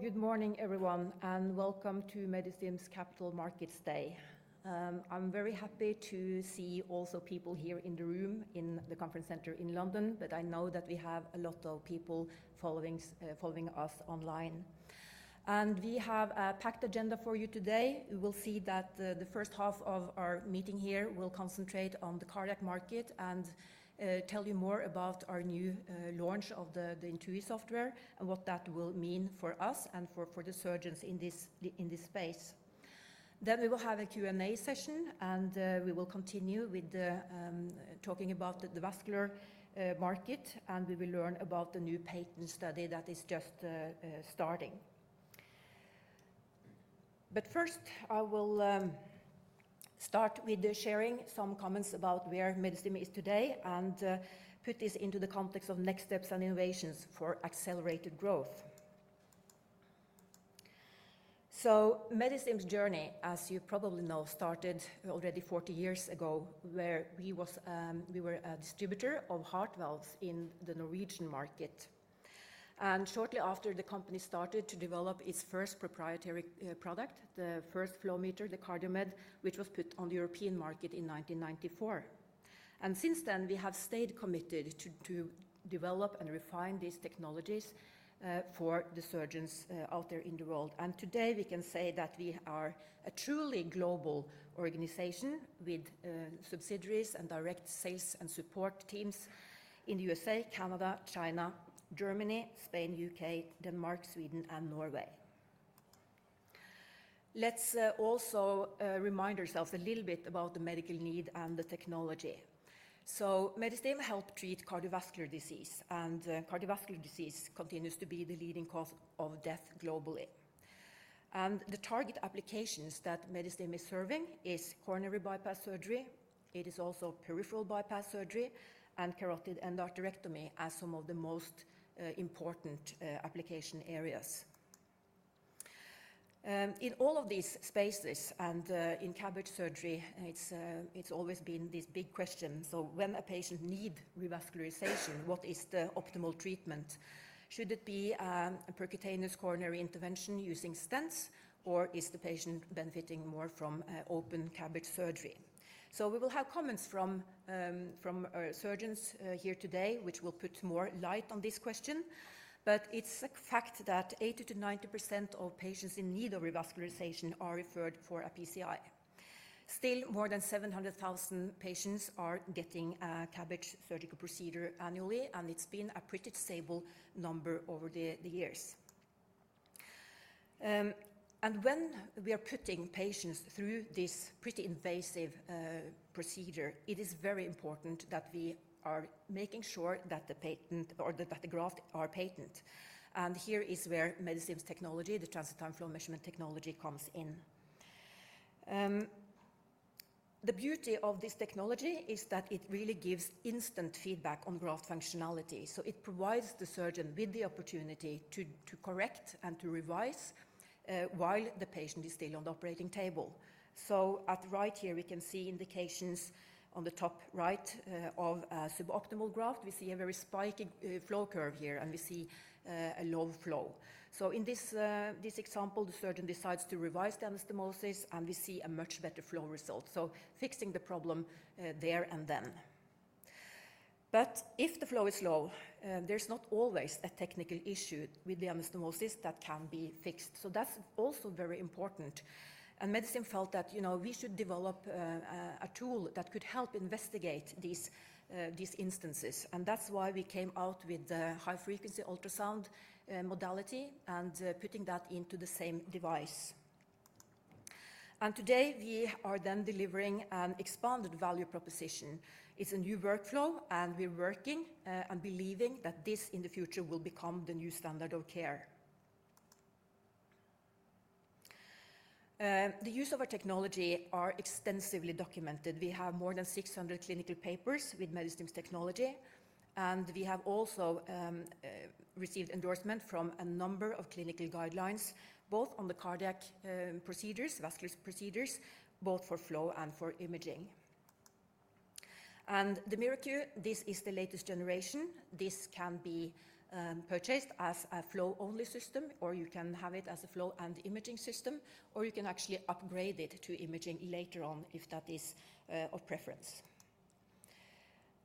Good morning, everyone, and welcome to Medistim's Capital Markets Day. I'm very happy to see also people here in the room, in the conference center in London, but I know that we have a lot of people following us online. We have a packed agenda for you today. You will see that the first half of our meeting here will concentrate on the cardiac market and tell you more about our new launch of the INTUI software and what that will mean for us and for the surgeons in this space. Then we will have a Q&A session, and we will continue with talking about the vascular market, and we will learn about the new PATENT study that is just starting. But first, I will start with sharing some comments about where Medistim is today and put this into the context of next steps and innovations for accelerated growth. So, Medistim's journey, as you probably know, started already 40 years ago, where we were a distributor of heart valves in the Norwegian market. And shortly after, the company started to develop its first proprietary product, the first flow meter, the CardioMed, which was put on the European market in 1994. And since then, we have stayed committed to develop and refine these technologies for the surgeons out there in the world. And today, we can say that we are a truly global organization with subsidiaries and direct sales and support teams in the U.S.A., Canada, China, Germany, Spain, U.K., Denmark, Sweden, and Norway. Let's also remind ourselves a little bit about the medical need and the technology. Medistim helps treat cardiovascular disease, and cardiovascular disease continues to be the leading cause of death globally. The target applications that Medistim is serving are coronary bypass surgery. It is also peripheral bypass surgery and carotid endarterectomy as some of the most important application areas. In all of these spaces and in CABG surgery, it's always been this big question. When a patient needs revascularization, what is the optimal treatment? Should it be a percutaneous coronary intervention using stents, or is the patient benefiting more from open CABG surgery? We will have comments from surgeons here today, which will put more light on this question. It's a fact that 80%-90% of patients in need of revascularization are referred for a PCI. Still, more than 700,000 patients are getting a CABG surgical procedure annually, and it's been a pretty stable number over the years. When we are putting patients through this pretty invasive procedure, it is very important that we are making sure that the graft is patent. Here is where Medistim's technology, the transit time flow measurement technology, comes in. The beauty of this technology is that it really gives instant feedback on graft functionality. It provides the surgeon with the opportunity to correct and to revise while the patient is still on the operating table. Right here, we can see indications on the top right of a suboptimal graft. We see a very spiky flow curve here, and we see a low flow. In this example, the surgeon decides to revise the anastomosis, and we see a much better flow result. Fixing the problem there and then. But if the flow is low, there's not always a technical issue with the anastomosis that can be fixed. So, that's also very important. And Medistim felt that, you know, we should develop a tool that could help investigate these instances. And that's why we came out with the high-frequency ultrasound modality and putting that into the same device. And today, we are then delivering an expanded value proposition. It's a new workflow, and we're working and believing that this, in the future, will become the new standard of care. The use of our technology is extensively documented. We have more than 600 clinical papers with Medistim's technology, and we have also received endorsement from a number of clinical guidelines, both on the cardiac procedures, vascular procedures, both for flow and for imaging. And the MiraQ, this is the latest generation. This can be purchased as a flow-only system, or you can have it as a flow and imaging system, or you can actually upgrade it to imaging later on if that is of preference.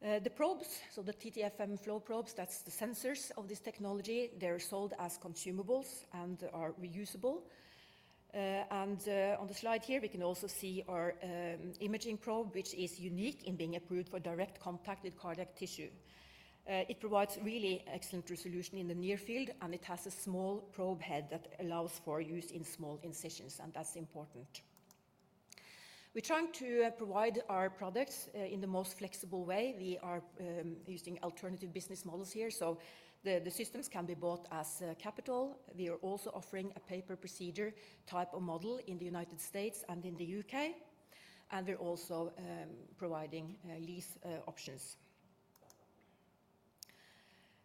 The probes, so the TTFM flow probes, that's the sensors of this technology, they're sold as consumables and are reusable. And on the slide here, we can also see our imaging probe, which is unique in being approved for direct contact with cardiac tissue. It provides really excellent resolution in the near field, and it has a small probe head that allows for use in small incisions, and that's important. We're trying to provide our products in the most flexible way. We are using alternative business models here, so the systems can be bought as capital. We are also offering a pay-per-procedure type of model in the United States and in the U.K., and we're also providing lease options.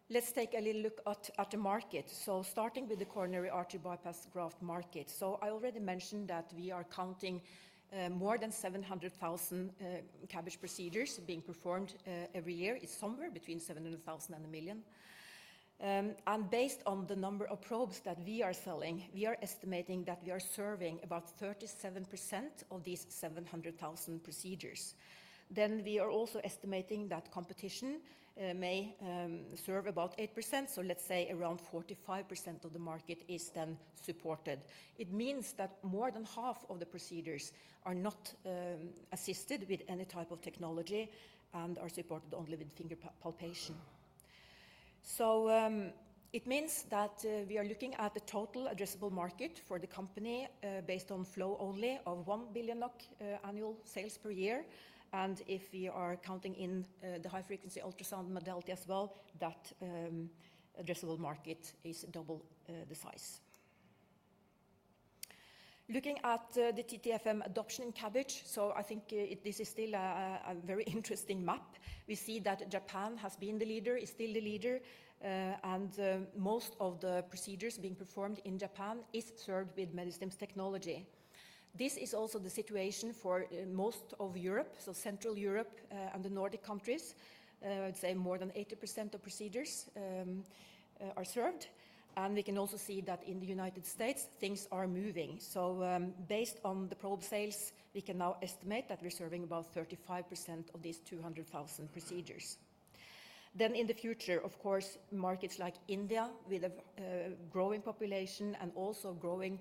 Let's take a little look at the market. So, starting with the coronary artery bypass graft market. So, I already mentioned that we are counting more than 700,000 CABG procedures being performed every year. It's somewhere between 700,000 and a million. And based on the number of probes that we are selling, we are estimating that we are serving about 37% of these 700,000 procedures. Then we are also estimating that competition may serve about 8%, so let's say around 45% of the market is then supported. It means that more than half of the procedures are not assisted with any type of technology and are supported only with finger palpation. So, it means that we are looking at the total addressable market for the company based on flow only of 1 billion NOK annual sales per year. And if we are counting in the high-frequency ultrasound modality as well, that addressable market is double the size. Looking at the TTFM adoption in CABG, so I think this is still a very interesting map. We see that Japan has been the leader, is still the leader, and most of the procedures being performed in Japan are served with Medistim's technology. This is also the situation for most of Europe, so Central Europe and the Nordic countries. I'd say more than 80% of procedures are served. And we can also see that in the United States, things are moving. So, based on the probe sales, we can now estimate that we're serving about 35% of these 200,000 procedures. In the future, of course, markets like India with a growing population and also a growing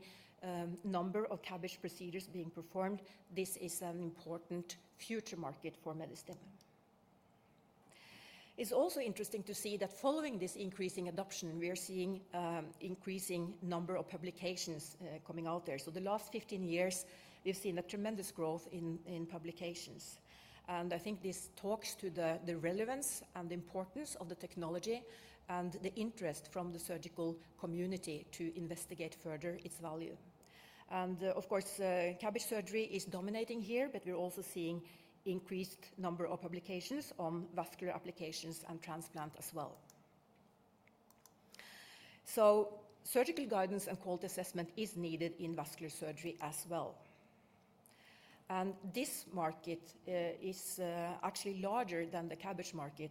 number of CABG procedures being performed, this is an important future market for Medistim. It's also interesting to see that following this increasing adoption, we are seeing an increasing number of publications coming out there. So, the last 15 years, we've seen a tremendous growth in publications. And I think this talks to the relevance and the importance of the technology and the interest from the surgical community to investigate further its value. And of course, CABG surgery is dominating here, but we're also seeing an increased number of publications on vascular applications and transplant as well. So, surgical guidance and quality assessment are needed in vascular surgery as well. This market is actually larger than the CABG market,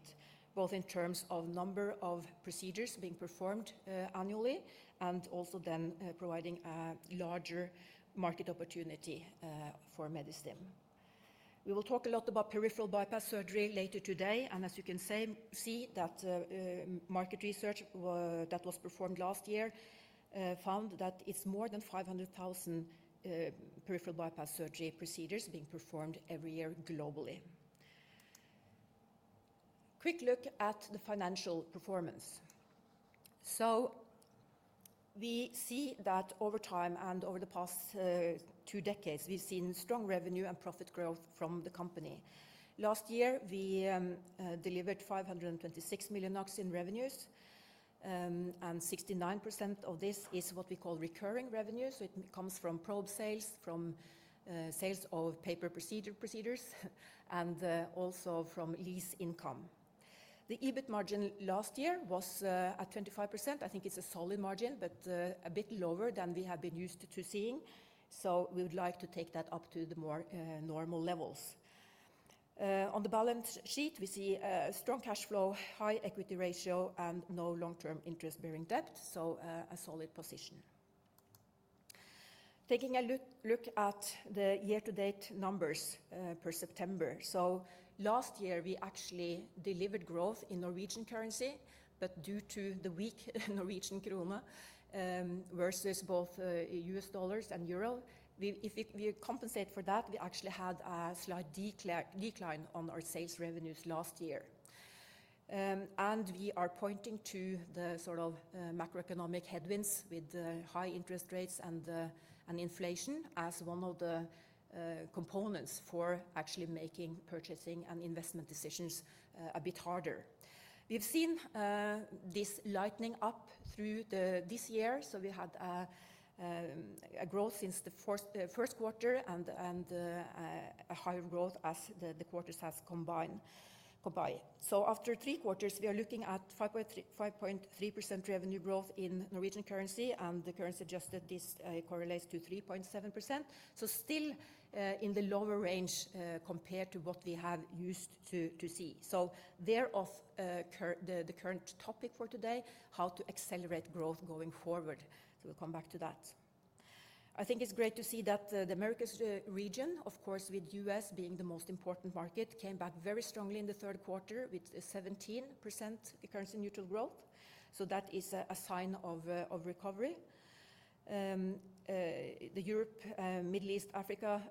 both in terms of the number of procedures being performed annually and also then providing a larger market opportunity for Medistim. We will talk a lot about peripheral bypass surgery later today. As you can see, that market research that was performed last year found that it's more than 500,000 peripheral bypass surgery procedures being performed every year globally. Quick look at the financial performance. We see that over time and over the past two decades, we've seen strong revenue and profit growth from the company. Last year, we delivered 526 million NOK in revenues, and 69% of this is what we call recurring revenue. It comes from probe sales, from sales of probe procedures, and also from lease income. The EBIT margin last year was at 25%. I think it's a solid margin, but a bit lower than we have been used to seeing, so we would like to take that up to the more normal levels. On the balance sheet, we see strong cash flow, high equity ratio, and no long-term interest-bearing debt, so a solid position. Taking a look at the year-to-date numbers per September. Last year, we actually delivered growth in Norwegian currency, but due to the weak Norwegian krone versus both US dollars and euro, if we compensate for that, we actually had a slight decline on our sales revenues last year, and we are pointing to the sort of macroeconomic headwinds with high interest rates and inflation as one of the components for actually making purchasing and investment decisions a bit harder. We've seen this lightening up through this year. We had a growth since the first quarter and a higher growth as the quarters have combined. After three quarters, we are looking at 5.3% revenue growth in Norwegian currency, and the currency adjusted this correlates to 3.7%. Still in the lower range compared to what we have used to see. Thereof the current topic for today, how to accelerate growth going forward. We'll come back to that. I think it's great to see that the Americas region, of course, with the U.S. being the most important market, came back very strongly in the third quarter with 17% currency neutral growth. That is a sign of recovery. The Europe, Middle East, Africa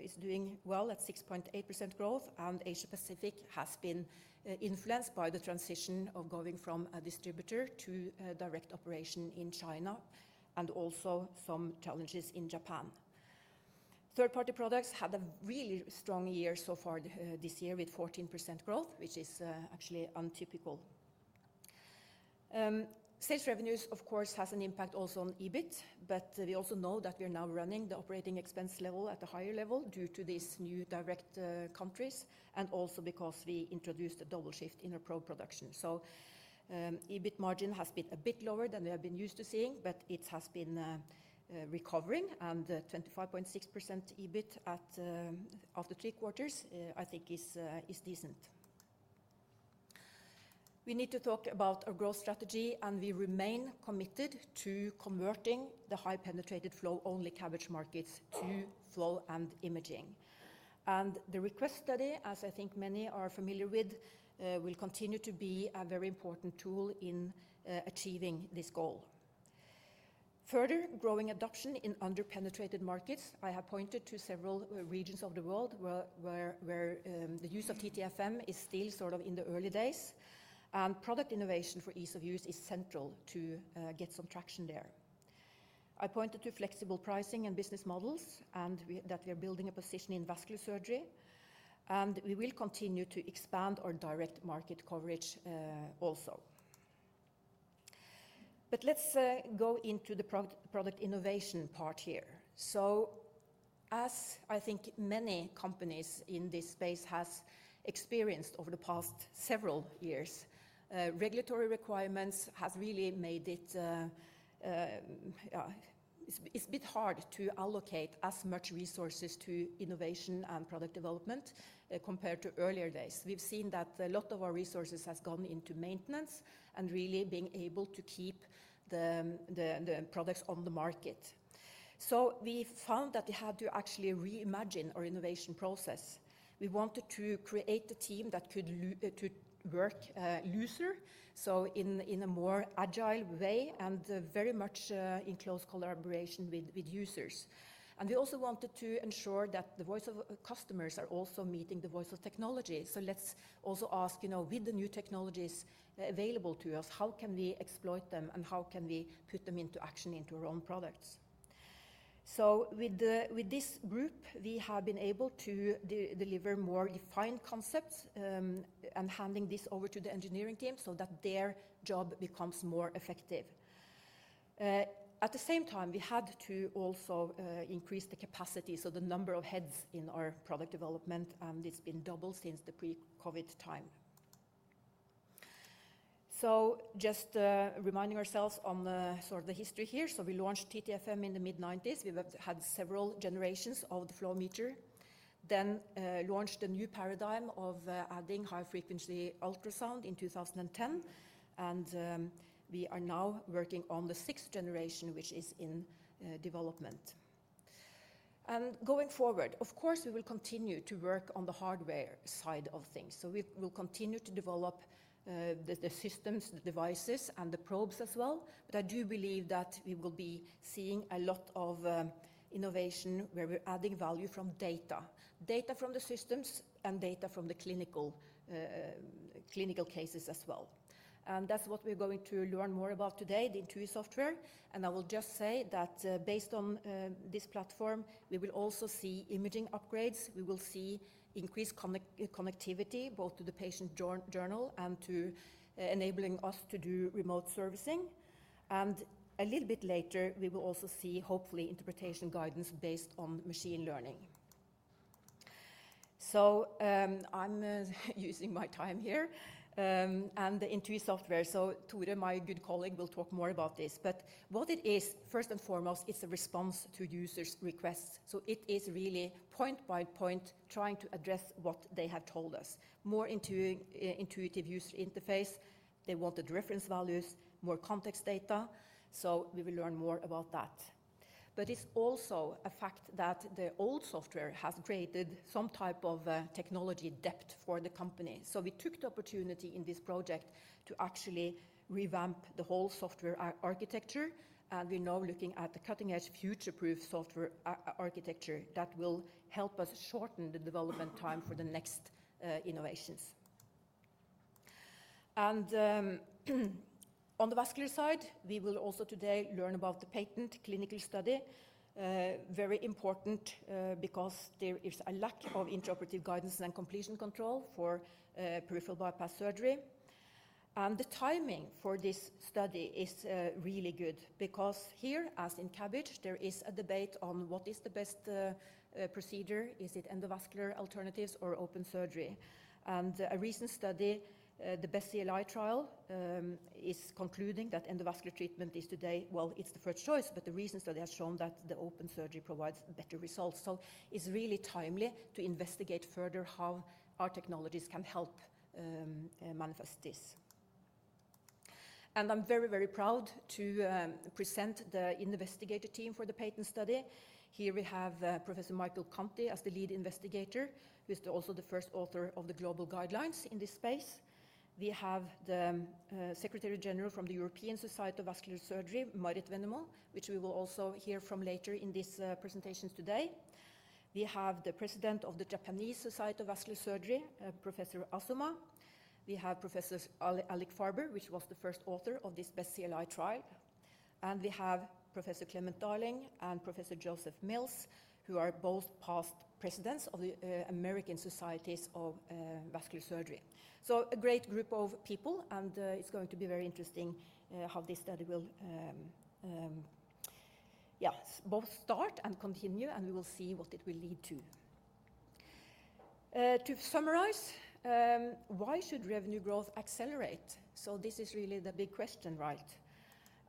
is doing well at 6.8% growth, and Asia-Pacific has been influenced by the transition of going from a distributor to direct operation in China and also some challenges in Japan. Third-party products had a really strong year so far this year with 14% growth, which is actually untypical. Sales revenues, of course, have an impact also on EBIT, but we also know that we are now running the operating expense level at a higher level due to these new direct countries and also because we introduced a double shift in our probe production. So, EBIT margin has been a bit lower than we have been used to seeing, but it has been recovering, and 25.6% EBIT after three quarters, I think, is decent. We need to talk about our growth strategy, and we remain committed to converting the high-penetrated flow-only CABG markets to flow and imaging, and the REQUEST study, as I think many are familiar with, will continue to be a very important tool in achieving this goal. Further growing adoption in under-penetrated markets. I have pointed to several regions of the world where the use of TTFM is still sort of in the early days, and product innovation for ease of use is central to get some traction there. I pointed to flexible pricing and business models and that we are building a position in vascular surgery, and we will continue to expand our direct market coverage also. But let's go into the product innovation part here. So, as I think many companies in this space have experienced over the past several years, regulatory requirements have really made it, yeah, it's a bit hard to allocate as much resources to innovation and product development compared to earlier days. We've seen that a lot of our resources have gone into maintenance and really being able to keep the products on the market. So, we found that we had to actually reimagine our innovation process. We wanted to create a team that could work looser, so in a more agile way and very much in close collaboration with users, and we also wanted to ensure that the voice of customers is also meeting the voice of technology, so let's also ask, you know, with the new technologies available to us, how can we exploit them and how can we put them into action into our own products, so with this group, we have been able to deliver more defined concepts and handing this over to the engineering team so that their job becomes more effective. At the same time, we had to also increase the capacity, so the number of heads in our product development, and it's been doubled since the pre-COVID time, so just reminding ourselves on sort of the history here, so we launched TTFM in the mid-1990s. We had several generations of the flow meter, then launched a new paradigm of adding high-frequency ultrasound in 2010, and we are now working on the sixth generation, which is in development, and going forward, of course, we will continue to work on the hardware side of things, so we will continue to develop the systems, the devices, and the probes as well, but I do believe that we will be seeing a lot of innovation where we're adding value from data, data from the systems and data from the clinical cases as well, and that's what we're going to learn more about today, the INTUI software, and I will just say that based on this platform, we will also see imaging upgrades. We will see increased connectivity both to the patient journal and to enabling us to do remote servicing. A little bit later, we will also see, hopefully, interpretation guidance based on machine learning. I'm using my time here and the INTUI software. Tore, my good colleague, will talk more about this. What it is, first and foremost, it's a response to users' requests. It is really point by point trying to address what they have told us. More intuitive user interface. They wanted reference values, more context data. We will learn more about that. It's also a fact that the old software has created some type of technology debt for the company. We took the opportunity in this project to actually revamp the whole software architecture. We're now looking at the cutting-edge future-proof software architecture that will help us shorten the development time for the next innovations. And on the vascular side, we will also today learn about the PATENT clinical study, very important because there is a lack of interpretive guidance and completion control for peripheral bypass surgery. And the timing for this study is really good because here, as in CABG, there is a debate on what is the best procedure. Is it endovascular alternatives or open surgery? And a recent study, the BEST-CLI trial, is concluding that endovascular treatment is today, well, it's the first choice, but the recent study has shown that the open surgery provides better results. So, it's really timely to investigate further how our technologies can help manifest this. And I'm very, very proud to present the investigator team for the PATENT study. Here we have Professor Michael Conte as the lead investigator, who is also the first author of the global guidelines in this space. We have the Secretary General from the European Society for Vascular Surgery, Maarit Venermo, which we will also hear from later in this presentation today. We have the President of the Japanese Society for Vascular Surgery, Professor Azuma. We have Professor Alik Farber, which was the first author of this BEST-CLI trial. And we have Professor Clement Darling and Professor Joseph Mills, who are both past presidents of the American Societies of Vascular Surgery. So, a great group of people, and it's going to be very interesting how this study will both start and continue, and we will see what it will lead to. To summarize, why should revenue growth accelerate? So, this is really the big question, right?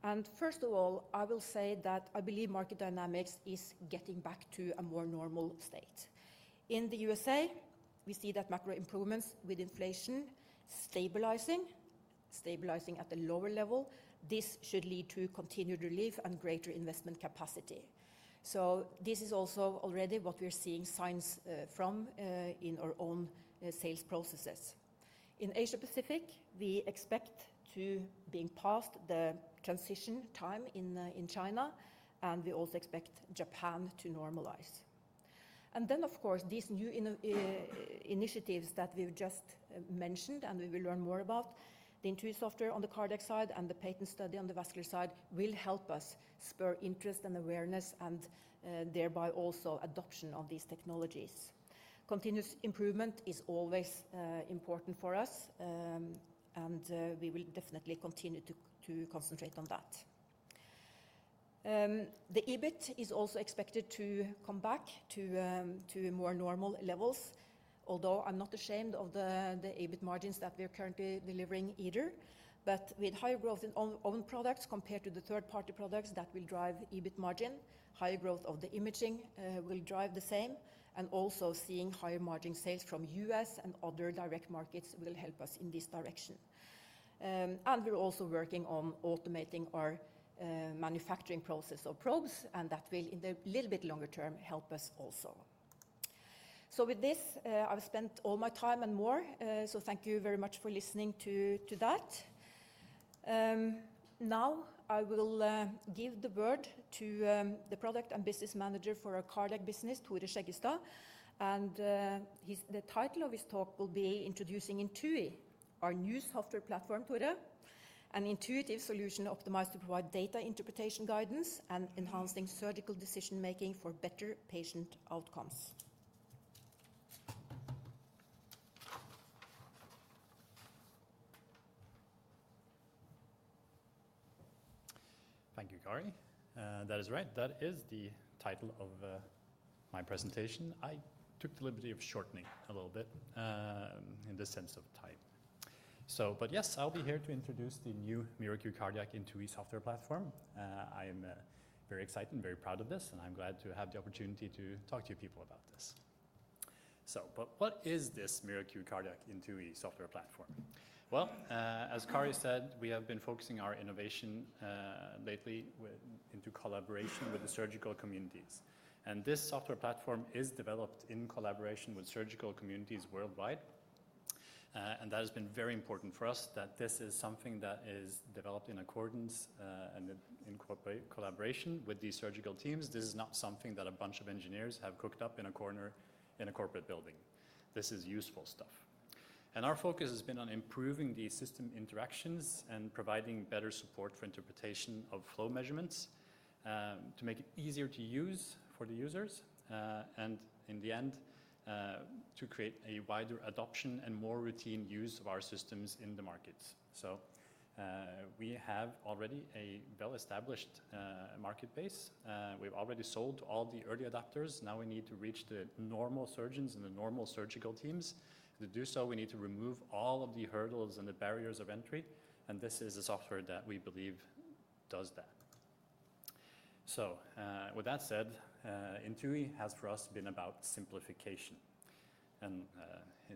And first of all, I will say that I believe market dynamics is getting back to a more normal state. In the U.S.A., we see that macro improvements with inflation stabilizing at a lower level. This should lead to continued relief and greater investment capacity. So, this is also already what we're seeing signs from in our own sales processes. In Asia-Pacific, we expect to be past the transition time in China, and we also expect Japan to normalize. And then, of course, these new initiatives that we've just mentioned and we will learn more about, the INTUI software on the cardiac side and the PATENT study on the vascular side will help us spur interest and awareness and thereby also adoption of these technologies. Continuous improvement is always important for us, and we will definitely continue to concentrate on that. The EBIT is also expected to come back to more normal levels, although I'm not ashamed of the EBIT margins that we are currently delivering either. But with higher growth in own products compared to the third-party products that will drive EBIT margin, higher growth of the imaging will drive the same, and also seeing higher margin sales from U.S. and other direct markets will help us in this direction. And we're also working on automating our manufacturing process of probes, and that will, in the little bit longer term, help us also. So, with this, I've spent all my time and more, so thank you very much for listening to that. Now, I will give the word to the product and business manager for our cardiac business, Tore Skjeggestad, and the title of his talk will be "Introducing INTUI, our new software platform, Tore, an intuitive solution optimized to provide data interpretation guidance and enhancing surgical decision-making for better patient outcomes." Thank you, Kari. That is right. That is the title of my presentation. I took the liberty of shortening a little bit in the sense of type. But yes, I'll be here to introduce the new MiraQ Cardiac INTUI software platform. I am very excited and very proud of this, and I'm glad to have the opportunity to talk to you people about this. But what is this MiraQ Cardiac INTUI software platform? As Kari said, we have been focusing our innovation lately into collaboration with the surgical communities. This software platform is developed in collaboration with surgical communities worldwide. That has been very important for us that this is something that is developed in accordance and in collaboration with these surgical teams. This is not something that a bunch of engineers have cooked up in a corner in a corporate building. This is useful stuff. Our focus has been on improving the system interactions and providing better support for interpretation of flow measurements to make it easier to use for the users and, in the end, to create a wider adoption and more routine use of our systems in the market. We have already a well-established market base. We've already sold all the early adopters. Now we need to reach the normal surgeons and the normal surgical teams. To do so, we need to remove all of the hurdles and the barriers of entry. This is a software that we believe does that. With that said, INTUI has for us been about simplification. In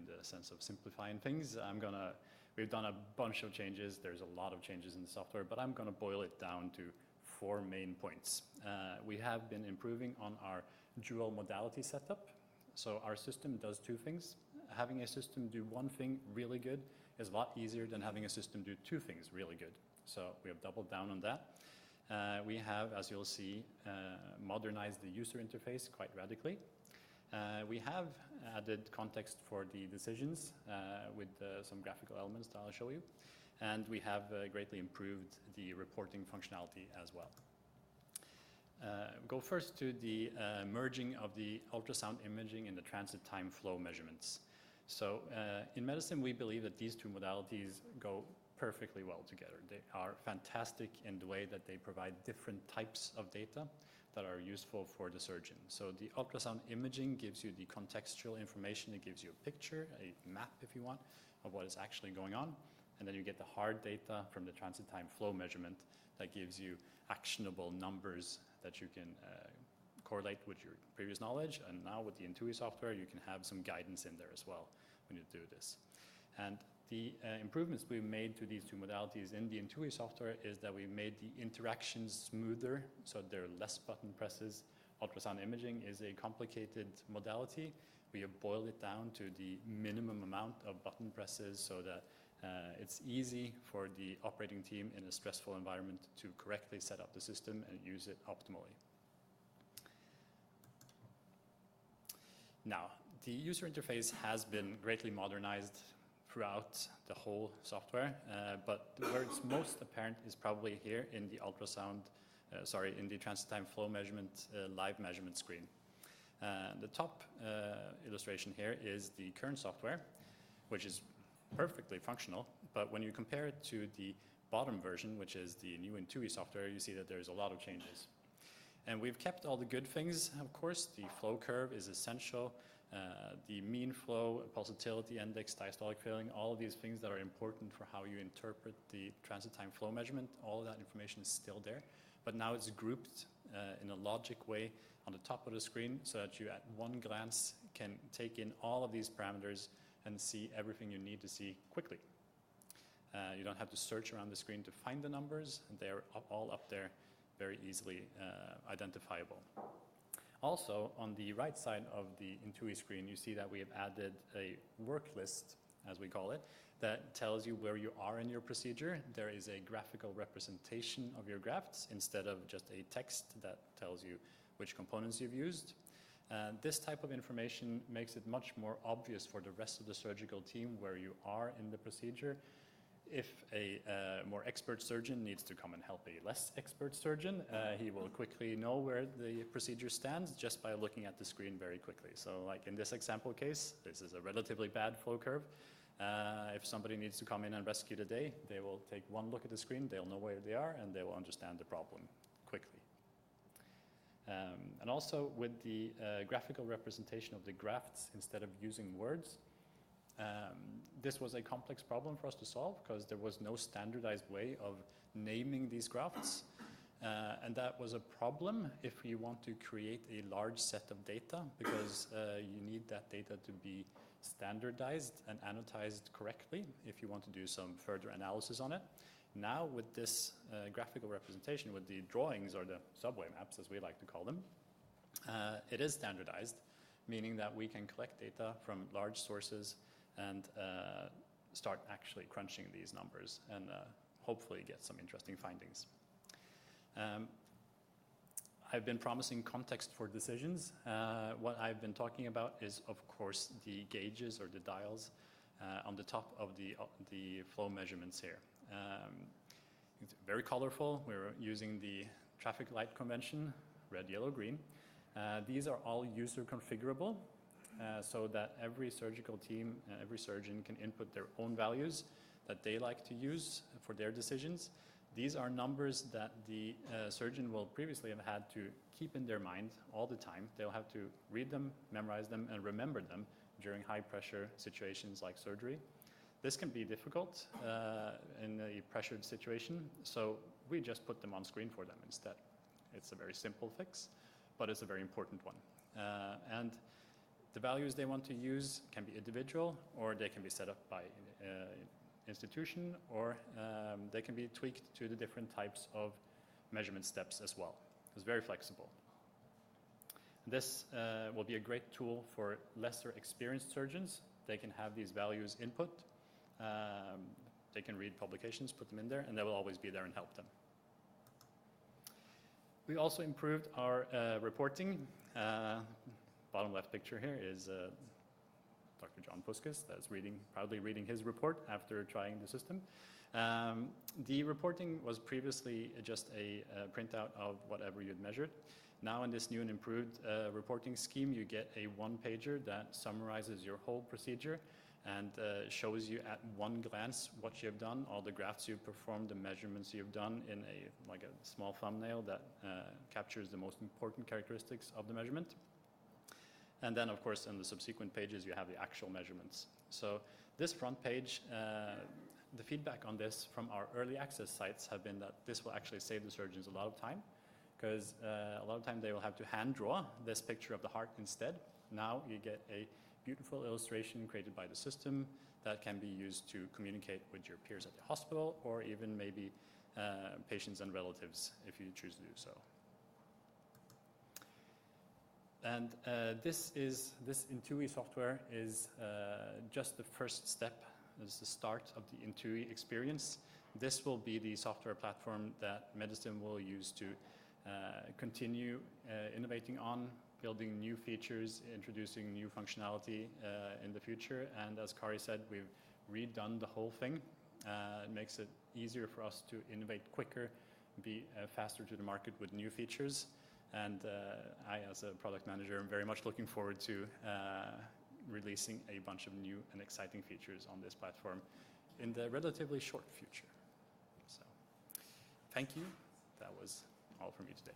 the sense of simplifying things, I'm going to, we've done a bunch of changes. There's a lot of changes in the software, but I'm going to boil it down to four main points. We have been improving on our dual modality setup. So, our system does two things. Having a system do one thing really good is a lot easier than having a system do two things really good. So, we have doubled down on that. We have, as you'll see, modernized the user interface quite radically. We have added context for the decisions with some graphical elements that I'll show you. And we have greatly improved the reporting functionality as well. Go first to the merging of the ultrasound imaging and the transit time flow measurements. So, in medicine, we believe that these two modalities go perfectly well together. They are fantastic in the way that they provide different types of data that are useful for the surgeon. So, the ultrasound imaging gives you the contextual information. It gives you a picture, a map if you want, of what is actually going on. And then you get the hard data from the transit time flow measurement that gives you actionable numbers that you can correlate with your previous knowledge. And now with the INTUI software, you can have some guidance in there as well when you do this. And the improvements we've made to these two modalities in the INTUI software is that we've made the interactions smoother, so there are less button presses. Ultrasound imaging is a complicated modality. We have boiled it down to the minimum amount of button presses so that it's easy for the operating team in a stressful environment to correctly set up the system and use it optimally. Now, the user interface has been greatly modernized throughout the whole software, but the words most apparent is probably here in the ultrasound, sorry, in the transit time flow measurement live measurement screen. The top illustration here is the current software, which is perfectly functional, but when you compare it to the bottom version, which is the new INTUI software, you see that there's a lot of changes, and we've kept all the good things, of course. The flow curve is essential. The mean flow pulsatility index, diastolic filling, all of these things that are important for how you interpret the transit time flow measurement, all of that information is still there, but now it's grouped in a logic way on the top of the screen so that you, at one glance, can take in all of these parameters and see everything you need to see quickly. You don't have to search around the screen to find the numbers. They're all up there very easily identifiable. Also, on the right side of the INTUI screen, you see that we have added a work list, as we call it, that tells you where you are in your procedure. There is a graphical representation of your graphs instead of just a text that tells you which components you've used. This type of information makes it much more obvious for the rest of the surgical team where you are in the procedure. If a more expert surgeon needs to come and help a less expert surgeon, he will quickly know where the procedure stands just by looking at the screen very quickly. So, like in this example case, this is a relatively bad flow curve. If somebody needs to come in and rescue the day, they will take one look at the screen. They'll know where they are, and they will understand the problem quickly. And also, with the graphical representation of the graphs instead of using words, this was a complex problem for us to solve because there was no standardized way of naming these graphs. And that was a problem if you want to create a large set of data because you need that data to be standardized and analyzed correctly if you want to do some further analysis on it. Now, with this graphical representation, with the drawings or the subway maps, as we like to call them, it is standardized, meaning that we can collect data from large sources and start actually crunching these numbers and hopefully get some interesting findings. I've been promising context for decisions. What I've been talking about is, of course, the gauges or the dials on the top of the flow measurements here. It's very colorful. We're using the traffic light convention, red, yellow, green. These are all user configurable so that every surgical team and every surgeon can input their own values that they like to use for their decisions. These are numbers that the surgeon will previously have had to keep in their mind all the time. They'll have to read them, memorize them, and remember them during high-pressure situations like surgery. This can be difficult in a pressured situation, so we just put them on screen for them instead. It's a very simple fix, but it's a very important one. The values they want to use can be individual, or they can be set up by an institution, or they can be tweaked to the different types of measurement steps as well. It's very flexible. This will be a great tool for less experienced surgeons. They can have these values input. They can read publications, put them in there, and they will always be there and help them. We also improved our reporting. Bottom left picture here is Dr. John Puskas that is proudly reading his report after trying the system. The reporting was previously just a printout of whatever you'd measured. Now, in this new and improved reporting scheme, you get a one-pager that summarizes your whole procedure and shows you at one glance what you've done, all the graphs you've performed, the measurements you've done in a small thumbnail that captures the most important characteristics of the measurement. And then, of course, in the subsequent pages, you have the actual measurements. So, this front page, the feedback on this from our early access sites has been that this will actually save the surgeons a lot of time because a lot of time they will have to hand-draw this picture of the heart instead. Now, you get a beautiful illustration created by the system that can be used to communicate with your peers at the hospital or even maybe patients and relatives if you choose to do so. And this INTUI software is just the first step. It's the start of the INTUI experience. This will be the software platform that medicine will use to continue innovating on, building new features, introducing new functionality in the future, and as Kari said, we've redone the whole thing. It makes it easier for us to innovate quicker, be faster to the market with new features, and I, as a product manager, am very much looking forward to releasing a bunch of new and exciting features on this platform in the relatively short future, so thank you. That was all for me today.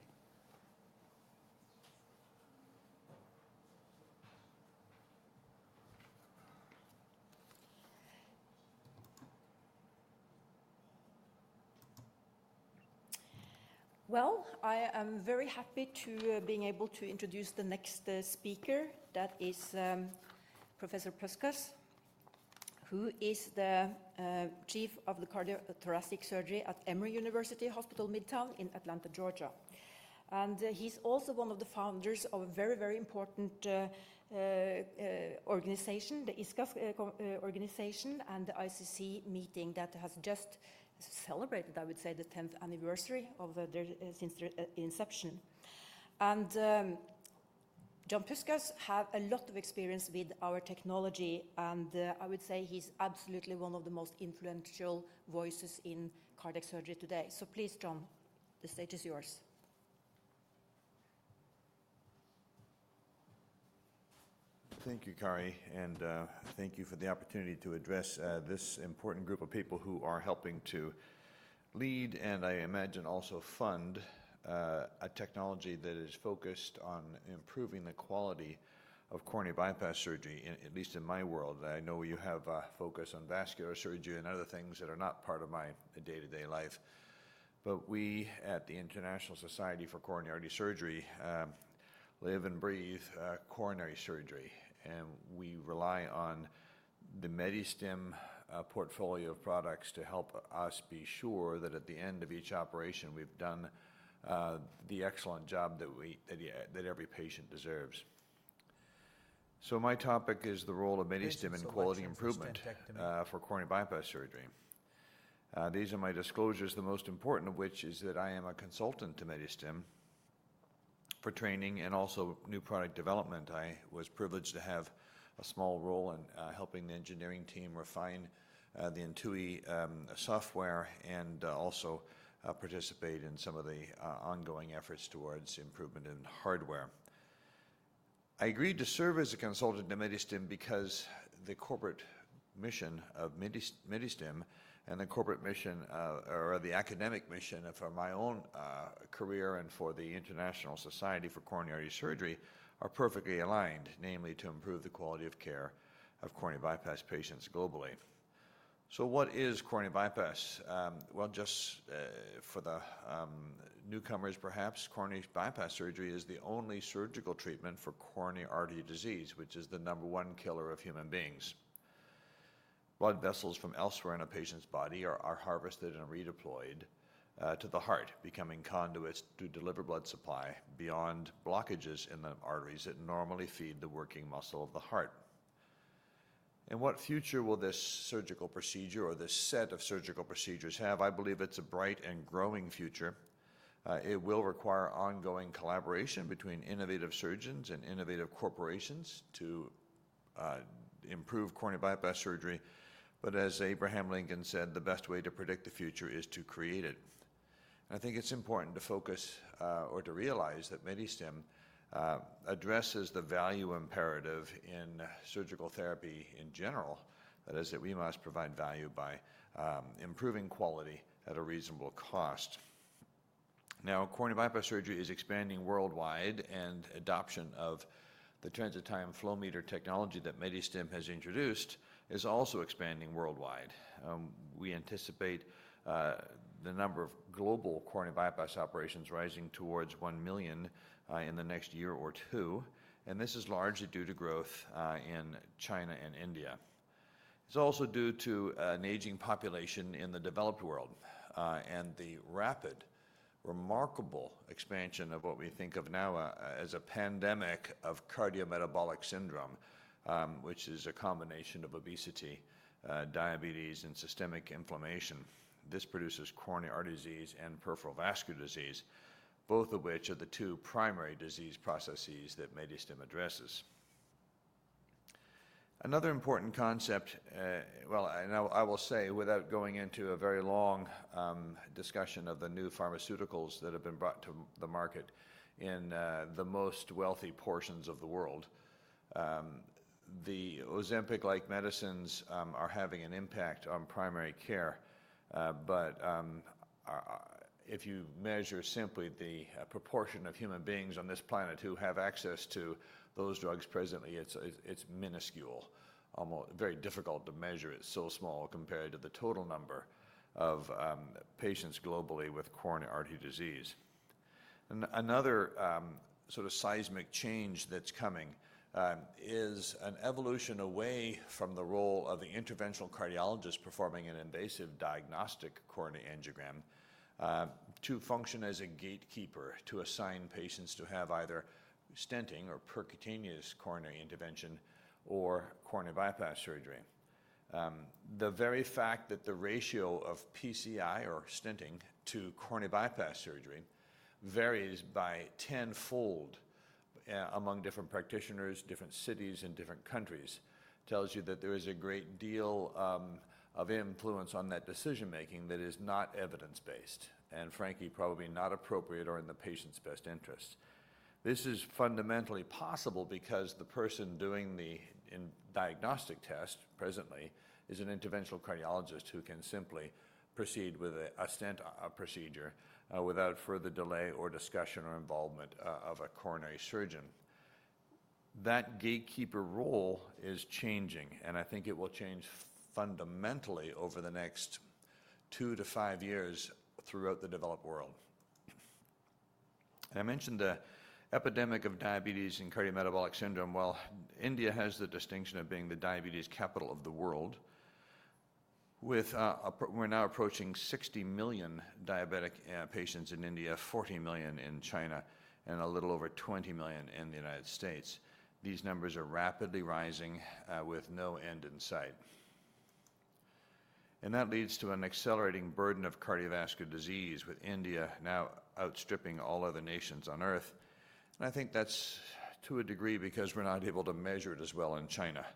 I am very happy to be able to introduce the next speaker. That is Professor Puskas, who is the Chief of Cardiothoracic Surgery at Emory University Hospital Midtown in Atlanta, Georgia. He's also one of the founders of a very, very important organization, the ISCAS organization and the ICC meeting that has just celebrated, I would say, the 10th anniversary of their inception. John Puskas has a lot of experience with our technology, and I would say he's absolutely one of the most influential voices in cardiac surgery today. Please, John, the stage is yours. Thank you, Kari. And thank you for the opportunity to address this important group of people who are helping to lead and I imagine also fund a technology that is focused on improving the quality of coronary bypass surgery, at least in my world. I know you have a focus on vascular surgery and other things that are not part of my day-to-day life. But we at the International Society for Coronary Artery Surgery live and breathe coronary surgery. And we rely on the Medistim portfolio of products to help us be sure that at the end of each operation, we've done the excellent job that every patient deserves. So, my topic is the role of Medistim in quality improvement for coronary bypass surgery. These are my disclosures, the most important of which is that I am a consultant to Medistim for training and also new product development. I was privileged to have a small role in helping the engineering team refine the INTUI software and also participate in some of the ongoing efforts towards improvement in hardware. I agreed to serve as a consultant to Medistim because the corporate mission of Medistim and the corporate mission or the academic mission for my own career and for the International Society for Coronary Artery Surgery are perfectly aligned, namely to improve the quality of care of coronary bypass patients globally. So, what is coronary bypass? Well, just for the newcomers, perhaps, coronary bypass surgery is the only surgical treatment for coronary artery disease, which is the number one killer of human beings. Blood vessels from elsewhere in a patient's body are harvested and redeployed to the heart, becoming conduits to deliver blood supply beyond blockages in the arteries that normally feed the working muscle of the heart. What future will this surgical procedure or this set of surgical procedures have? I believe it's a bright and growing future. It will require ongoing collaboration between innovative surgeons and innovative corporations to improve coronary bypass surgery. But as Abraham Lincoln said, the best way to predict the future is to create it. I think it's important to focus or to realize that Medistim addresses the value imperative in surgical therapy in general, that is, that we must provide value by improving quality at a reasonable cost. Now, coronary bypass surgery is expanding worldwide, and adoption of the transit time flowmeter technology that Medistim has introduced is also expanding worldwide. We anticipate the number of global coronary bypass operations rising towards 1 million in the next year or two. This is largely due to growth in China and India. It's also due to an aging population in the developed world and the rapid, remarkable expansion of what we think of now as a pandemic of cardiometabolic syndrome, which is a combination of obesity, diabetes, and systemic inflammation. This produces coronary artery disease and peripheral vascular disease, both of which are the two primary disease processes that Medistim addresses. Another important concept, well, and I will say without going into a very long discussion of the new pharmaceuticals that have been brought to the market in the most wealthy portions of the world, the Ozempic-like medicines are having an impact on primary care. But if you measure simply the proportion of human beings on this planet who have access to those drugs presently, it's minuscule, almost very difficult to measure. It's so small compared to the total number of patients globally with coronary artery disease. Another sort of seismic change that's coming is an evolution away from the role of the interventional cardiologist performing an invasive diagnostic coronary angiogram to function as a gatekeeper to assign patients to have either stenting or percutaneous coronary intervention or coronary bypass surgery. The very fact that the ratio of PCI or stenting to coronary bypass surgery varies by tenfold among different practitioners, different cities, and different countries tells you that there is a great deal of influence on that decision-making that is not evidence-based and, frankly, probably not appropriate or in the patient's best interest. This is fundamentally possible because the person doing the diagnostic test presently is an interventional cardiologist who can simply proceed with a stent procedure without further delay or discussion or involvement of a coronary surgeon. That gatekeeper role is changing, and I think it will change fundamentally over the next two to five years throughout the developed world. And I mentioned the epidemic of diabetes and cardiometabolic syndrome. Well, India has the distinction of being the diabetes capital of the world. We're now approaching 60 million diabetic patients in India, 40 million in China, and a little over 20 million in the United States. These numbers are rapidly rising with no end in sight. And that leads to an accelerating burden of cardiovascular disease with India now outstripping all other nations on Earth. And I think that's to a degree because we're not able to measure it as well in China.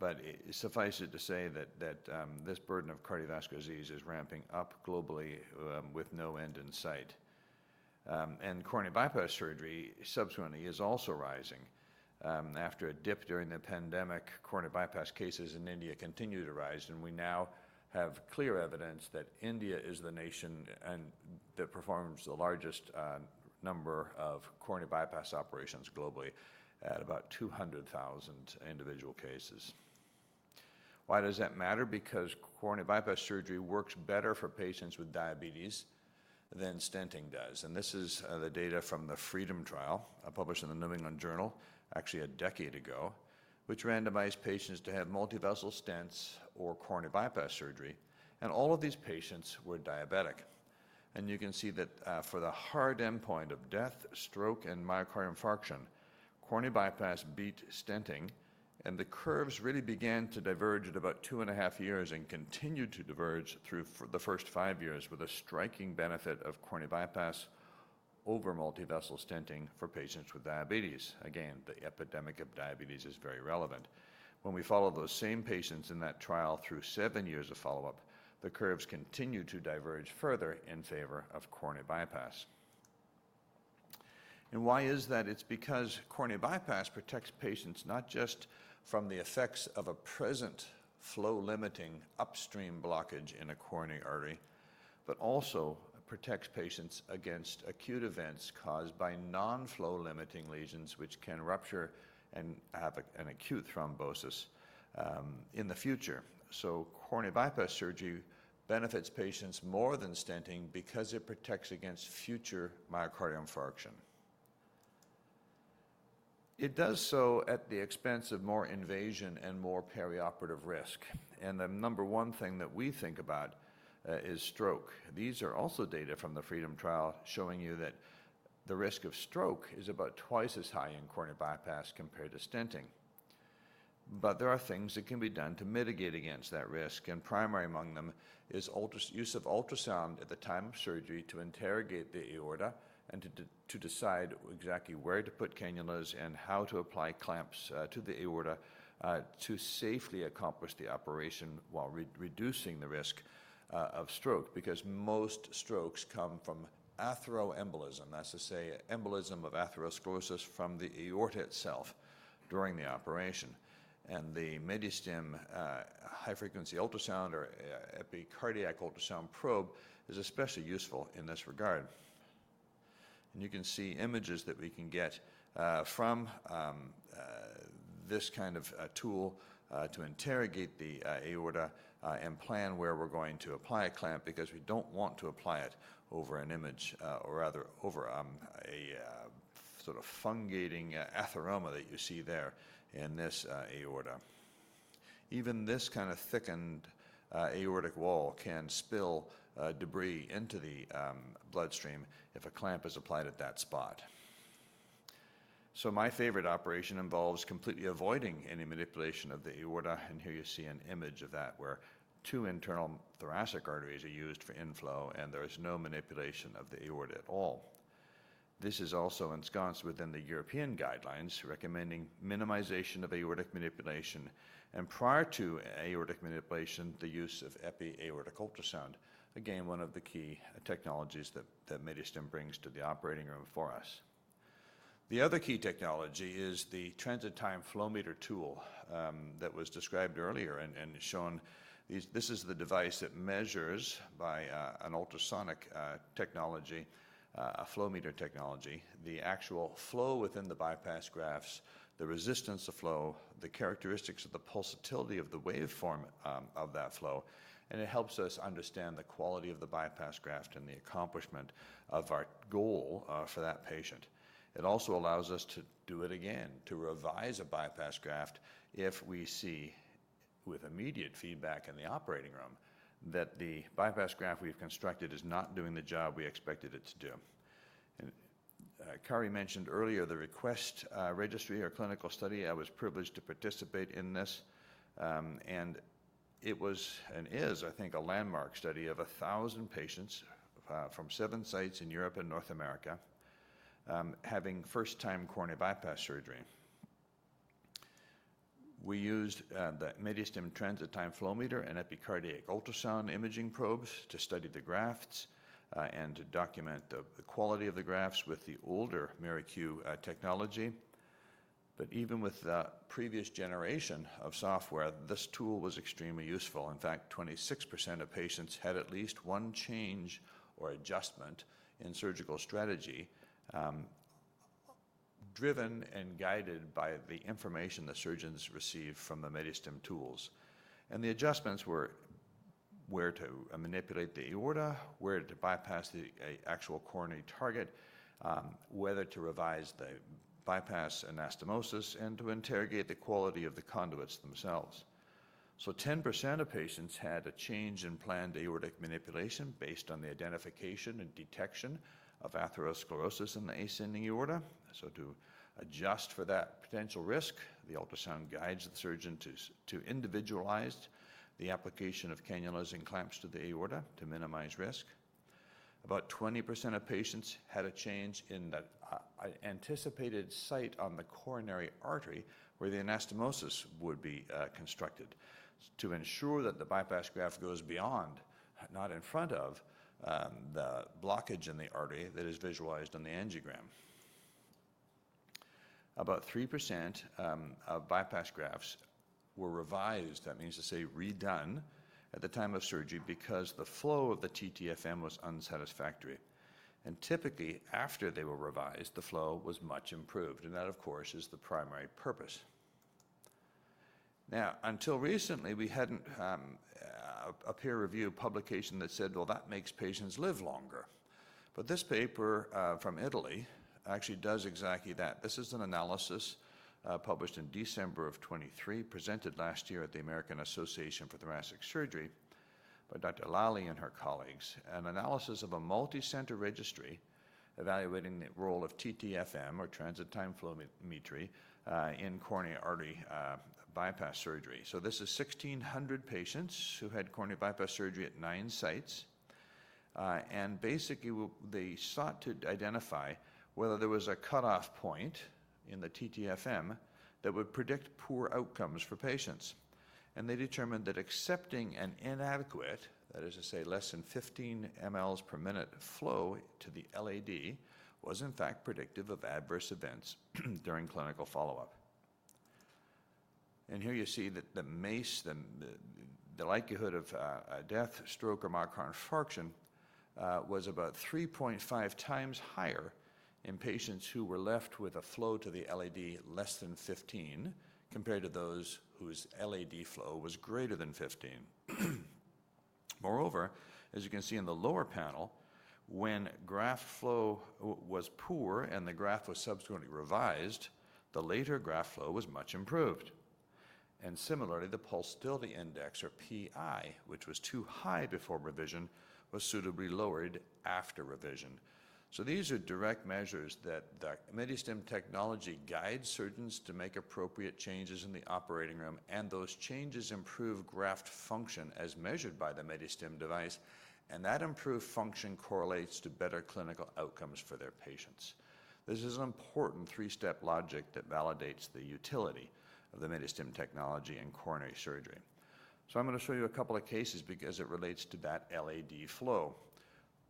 But suffice it to say that this burden of cardiovascular disease is ramping up globally with no end in sight. And coronary bypass surgery subsequently is also rising. After a dip during the pandemic, coronary bypass cases in India continue to rise, and we now have clear evidence that India is the nation that performs the largest number of coronary bypass operations globally at about 200,000 individual cases. Why does that matter? Because coronary bypass surgery works better for patients with diabetes than stenting does. And this is the data from the FREEDOM trial published in the New England Journal, actually a decade ago, which randomized patients to have multivessel stents or coronary bypass surgery. And all of these patients were diabetic. And you can see that for the hard endpoint of death, stroke, and myocardial infarction, coronary bypass beat stenting. And the curves really began to diverge at about two and a half years and continued to diverge through the first five years with a striking benefit of coronary bypass over multivessel stenting for patients with diabetes. Again, the epidemic of diabetes is very relevant. When we follow those same patients in that trial through seven years of follow-up, the curves continue to diverge further in favor of coronary bypass, and why is that? It's because coronary bypass protects patients not just from the effects of a present flow-limiting upstream blockage in a coronary artery, but also protects patients against acute events caused by non-flow-limiting lesions, which can rupture and have an acute thrombosis in the future, so coronary bypass surgery benefits patients more than stenting because it protects against future myocardial infarction. It does so at the expense of more invasion and more perioperative risk, and the number one thing that we think about is stroke. These are also data from the FREEDOM trial showing you that the risk of stroke is about twice as high in coronary bypass compared to stenting. But there are things that can be done to mitigate against that risk. And primary among them is use of ultrasound at the time of surgery to interrogate the aorta and to decide exactly where to put cannulas and how to apply clamps to the aorta to safely accomplish the operation while reducing the risk of stroke because most strokes come from atheroembolism, that's to say embolism of atherosclerosis from the aorta itself during the operation. And the Medistim high-frequency ultrasound or epicardial ultrasound probe is especially useful in this regard. And you can see images that we can get from this kind of tool to interrogate the aorta and plan where we're going to apply a clamp because we don't want to apply it over an image or rather over a sort of fungating atheroma that you see there in this aorta. Even this kind of thickened aortic wall can spill debris into the bloodstream if a clamp is applied at that spot. So, my favorite operation involves completely avoiding any manipulation of the aorta. And here you see an image of that where two internal thoracic arteries are used for inflow, and there is no manipulation of the aorta at all. This is also ensconced within the European guidelines recommending minimization of aortic manipulation. And prior to aortic manipulation, the use of epiaortic ultrasound, again, one of the key technologies that Medistim brings to the operating room for us. The other key technology is the transit time flowmeter tool that was described earlier and shown. This is the device that measures by an ultrasonic technology, a flow meter technology, the actual flow within the bypass grafts, the resistance of flow, the characteristics of the pulsatility of the waveform of that flow. And it helps us understand the quality of the bypass graft and the accomplishment of our goal for that patient. It also allows us to do it again, to revise a bypass graft if we see with immediate feedback in the operating room that the bypass graft we've constructed is not doing the job we expected it to do. And Kari mentioned earlier the request registry or clinical study. I was privileged to participate in this. And it was and is, I think, a landmark study of 1,000 patients from seven sites in Europe and North America having first-time coronary bypass surgery. We used the Medistim transit time flowmeter and epicardiac ultrasound imaging probes to study the grafts and to document the quality of the grafts with the older MiraQ technology. But even with the previous generation of software, this tool was extremely useful. In fact, 26% of patients had at least one change or adjustment in surgical strategy driven and guided by the information the surgeons received from the Medistim tools. And the adjustments were where to manipulate the aorta, where to bypass the actual coronary target, whether to revise the bypass anastomosis, and to interrogate the quality of the conduits themselves. So, 10% of patients had a change in planned aortic manipulation based on the identification and detection of atherosclerosis in the ascending aorta. To adjust for that potential risk, the ultrasound guides the surgeon to individualize the application of cannulas and clamps to the aorta to minimize risk. About 20% of patients had a change in the anticipated site on the coronary artery where the anastomosis would be constructed to ensure that the bypass graft goes beyond, not in front of the blockage in the artery that is visualized on the angiogram. About 3% of bypass grafts were revised, that means to say redone at the time of surgery because the flow of the TTFM was unsatisfactory. And typically, after they were revised, the flow was much improved. And that, of course, is the primary purpose. Now, until recently, we hadn't a peer-reviewed publication that said, well, that makes patients live longer. But this paper from Italy actually does exactly that. This is an analysis published in December of 2023, presented last year at the American Association for Thoracic Surgery by Dr. Lally and her colleagues, an analysis of a multi-center registry evaluating the role of TTFM or transit time flowmeter in coronary artery bypass surgery, so this is 1,600 patients who had coronary bypass surgery at nine sites, and basically, they sought to identify whether there was a cutoff point in the TTFM that would predict poor outcomes for patients, and they determined that accepting an inadequate, that is to say less than 15 mL per minute flow to the LAD was, in fact, predictive of adverse events during clinical follow-up. And here you see that the MACE, the likelihood of death, stroke, or myocardial infarction was about 3.5x higher in patients who were left with a flow to the LAD less than 15 compared to those whose LAD flow was greater than 15. Moreover, as you can see in the lower panel, when graft flow was poor and the graft was subsequently revised, the later graft flow was much improved. And similarly, the pulsatility index or PI, which was too high before revision, was suitably lowered after revision. So, these are direct measures that the Medistim technology guides surgeons to make appropriate changes in the operating room. And those changes improve graft function as measured by the Medistim device. And that improved function correlates to better clinical outcomes for their patients. This is an important three-step logic that validates the utility of the Medistim technology in coronary surgery. I'm going to show you a couple of cases because it relates to that LAD flow.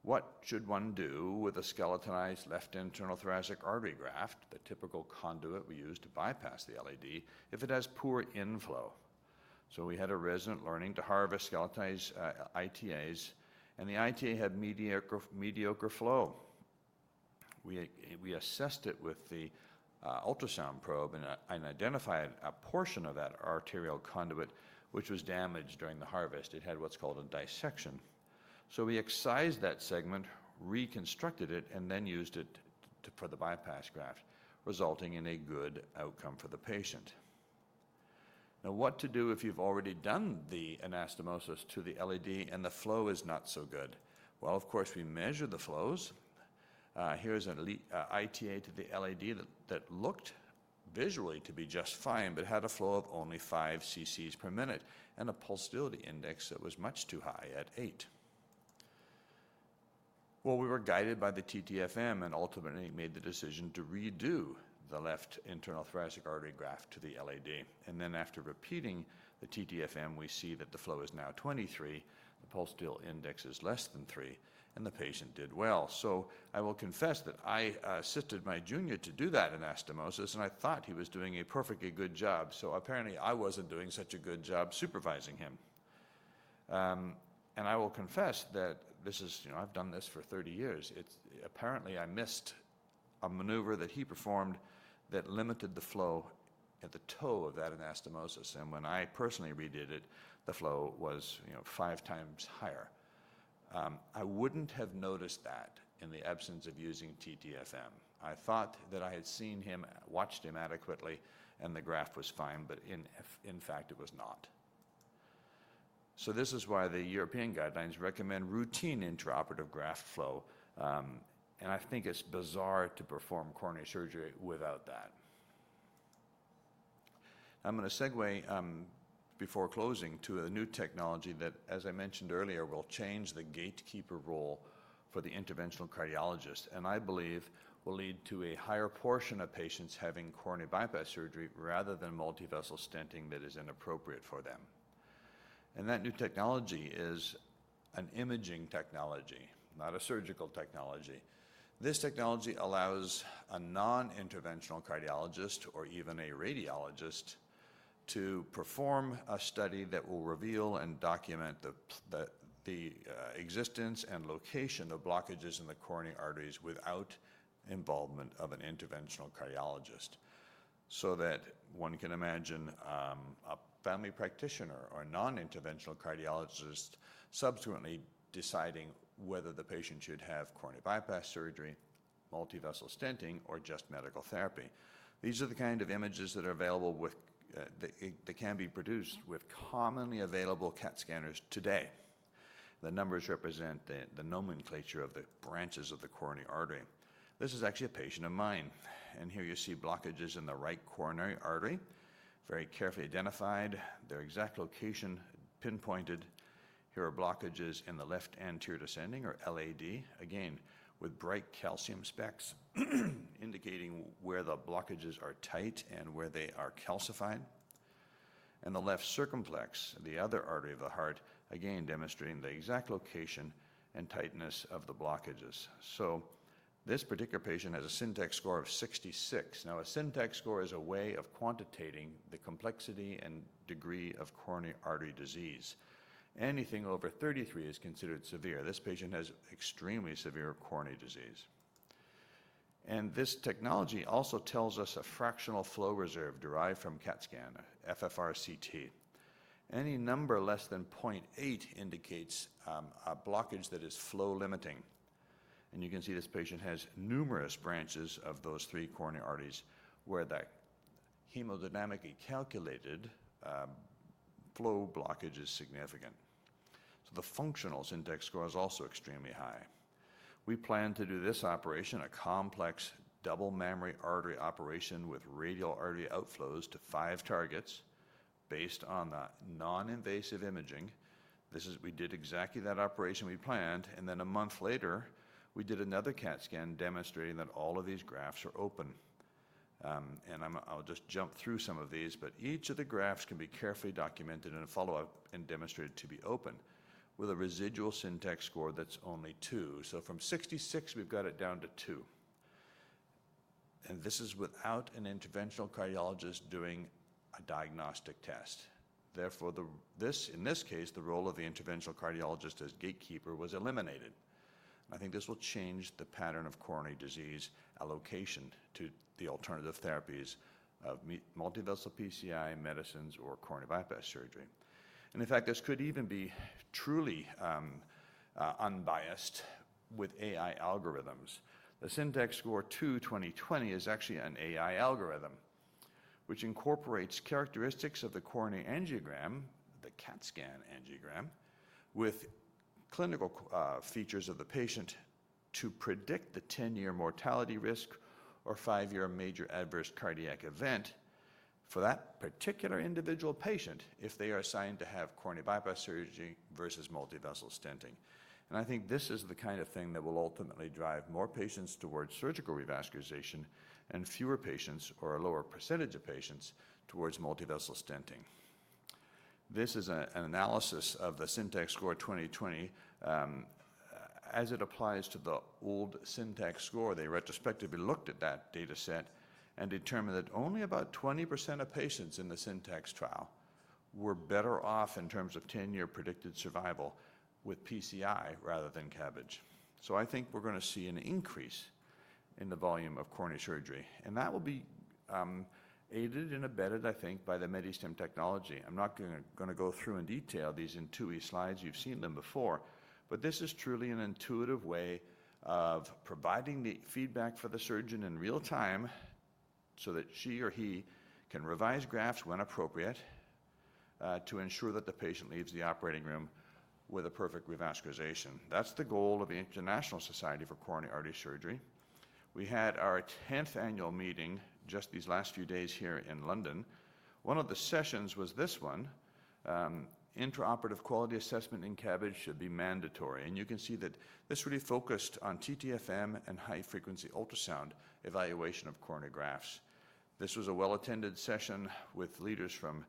What should one do with a skeletonized left internal thoracic artery graft, the typical conduit we use to bypass the LAD, if it has poor inflow? We had a resident learning to harvest skeletonized ITAs, and the ITA had mediocre flow. We assessed it with the ultrasound probe and identified a portion of that arterial conduit, which was damaged during the harvest. It had what's called a dissection. We excised that segment, reconstructed it, and then used it for the bypass graft, resulting in a good outcome for the patient. Now, what to do if you've already done the anastomosis to the LAD and the flow is not so good? Of course, we measure the flows. Here's an ITA to the LAD that looked visually to be just fine but had a flow of only five cc per minute and a pulsatility index that was much too high at eight. We were guided by the TTFM and ultimately made the decision to redo the left internal thoracic artery graft to the LAD, then after repeating the TTFM, we see that the flow is now 23, the pulsatility index is less than three, and the patient did well. I will confess that I assisted my junior to do that anastomosis, and I thought he was doing a perfectly good job, apparently I wasn't doing such a good job supervising him, I will confess that this is, you know, I've done this for 30 years. Apparently, I missed a maneuver that he performed that limited the flow at the toe of that anastomosis. And when I personally redid it, the flow was, you know, 5x higher. I wouldn't have noticed that in the absence of using TTFM. I thought that I had seen him, watched him adequately, and the graft was fine, but in fact, it was not. So, this is why the European guidelines recommend routine intraoperative graft flow. And I think it's bizarre to perform coronary surgery without that. I'm going to segue before closing to a new technology that, as I mentioned earlier, will change the gatekeeper role for the interventional cardiologist. And I believe will lead to a higher portion of patients having coronary bypass surgery rather than multivessel stenting that is inappropriate for them. And that new technology is an imaging technology, not a surgical technology. This technology allows a non-interventional cardiologist or even a radiologist to perform a study that will reveal and document the existence and location of blockages in the coronary arteries without involvement of an interventional cardiologist, so that one can imagine a family practitioner or a non-interventional cardiologist subsequently deciding whether the patient should have coronary bypass surgery, multivessel stenting, or just medical therapy. These are the kind of images that are available that can be produced with commonly available CAT scanners today. The numbers represent the nomenclature of the branches of the coronary artery. This is actually a patient of mine, and here you see blockages in the right coronary artery, very carefully identified, their exact location pinpointed. Here are blockages in the left anterior descending or LAD, again, with bright calcium specks indicating where the blockages are tight and where they are calcified. The left circumflex, the other artery of the heart, again, demonstrating the exact location and tightness of the blockages. This particular patient has a SYNTAX score of 66. Now, a SYNTAX score is a way of quantitating the complexity and degree of coronary artery disease. Anything over 33 is considered severe. This patient has extremely severe coronary disease. This technology also tells us a fractional flow reserve derived from CAT scan, FFRCT. Any number less than 0.8 indicates a blockage that is flow limiting. You can see this patient has numerous branches of those three coronary arteries where that hemodynamically calculated flow blockage is significant. The functional SYNTAX score is also extremely high. We plan to do this operation, a complex double mammary artery operation with radial artery outflows to five targets based on the non-invasive imaging. This is what we did: exactly that operation we planned. Then, a month later, we did another CAT scan demonstrating that all of these grafts are open. I'll just jump through some of these, but each of the grafts can be carefully documented in a follow-up and demonstrated to be open with a residual SYNTAX score that's only two. From 66, we've got it down to two. This is without an interventional cardiologist doing a diagnostic test. Therefore, in this case, the role of the interventional cardiologist as gatekeeper was eliminated. I think this will change the pattern of coronary disease allocation to the alternative therapies of multivessel PCI medicines or coronary bypass surgery. In fact, this could even be truly unbiased with AI algorithms. The SYNTAX score II 2020 is actually an AI algorithm, which incorporates characteristics of the coronary angiogram, the CAT scan angiogram, with clinical features of the patient to predict the 10-year mortality risk or 5-year major adverse cardiac event for that particular individual patient if they are assigned to have coronary bypass surgery versus multivessel stenting. And I think this is the kind of thing that will ultimately drive more patients towards surgical revascularization and fewer patients or a lower percentage of patients towards multivessel stenting. This is an analysis of the SYNTAX score 2020 as it applies to the old SYNTAX score. They retrospectively looked at that dataset and determined that only about 20% of patients in the SYNTAX trial were better off in terms of 10-year predicted survival with PCI rather than CABG. So, I think we're going to see an increase in the volume of coronary surgery. That will be aided and abetted, I think, by the Medistim technology. I'm not going to go through in detail these INTUI slides. You've seen them before. But this is truly an intuitive way of providing the feedback for the surgeon in real time so that she or he can revise grafts when appropriate to ensure that the patient leaves the operating room with a perfect revascularization. That's the goal of the International Society for Coronary Artery Surgery. We had our 10th annual meeting just these last few days here in London. One of the sessions was this one, "Intraoperative quality assessment in CABG should be mandatory." You can see that this really focused on TTFM and high-frequency ultrasound evaluation of coronary grafts. This was a well-attended session with leaders from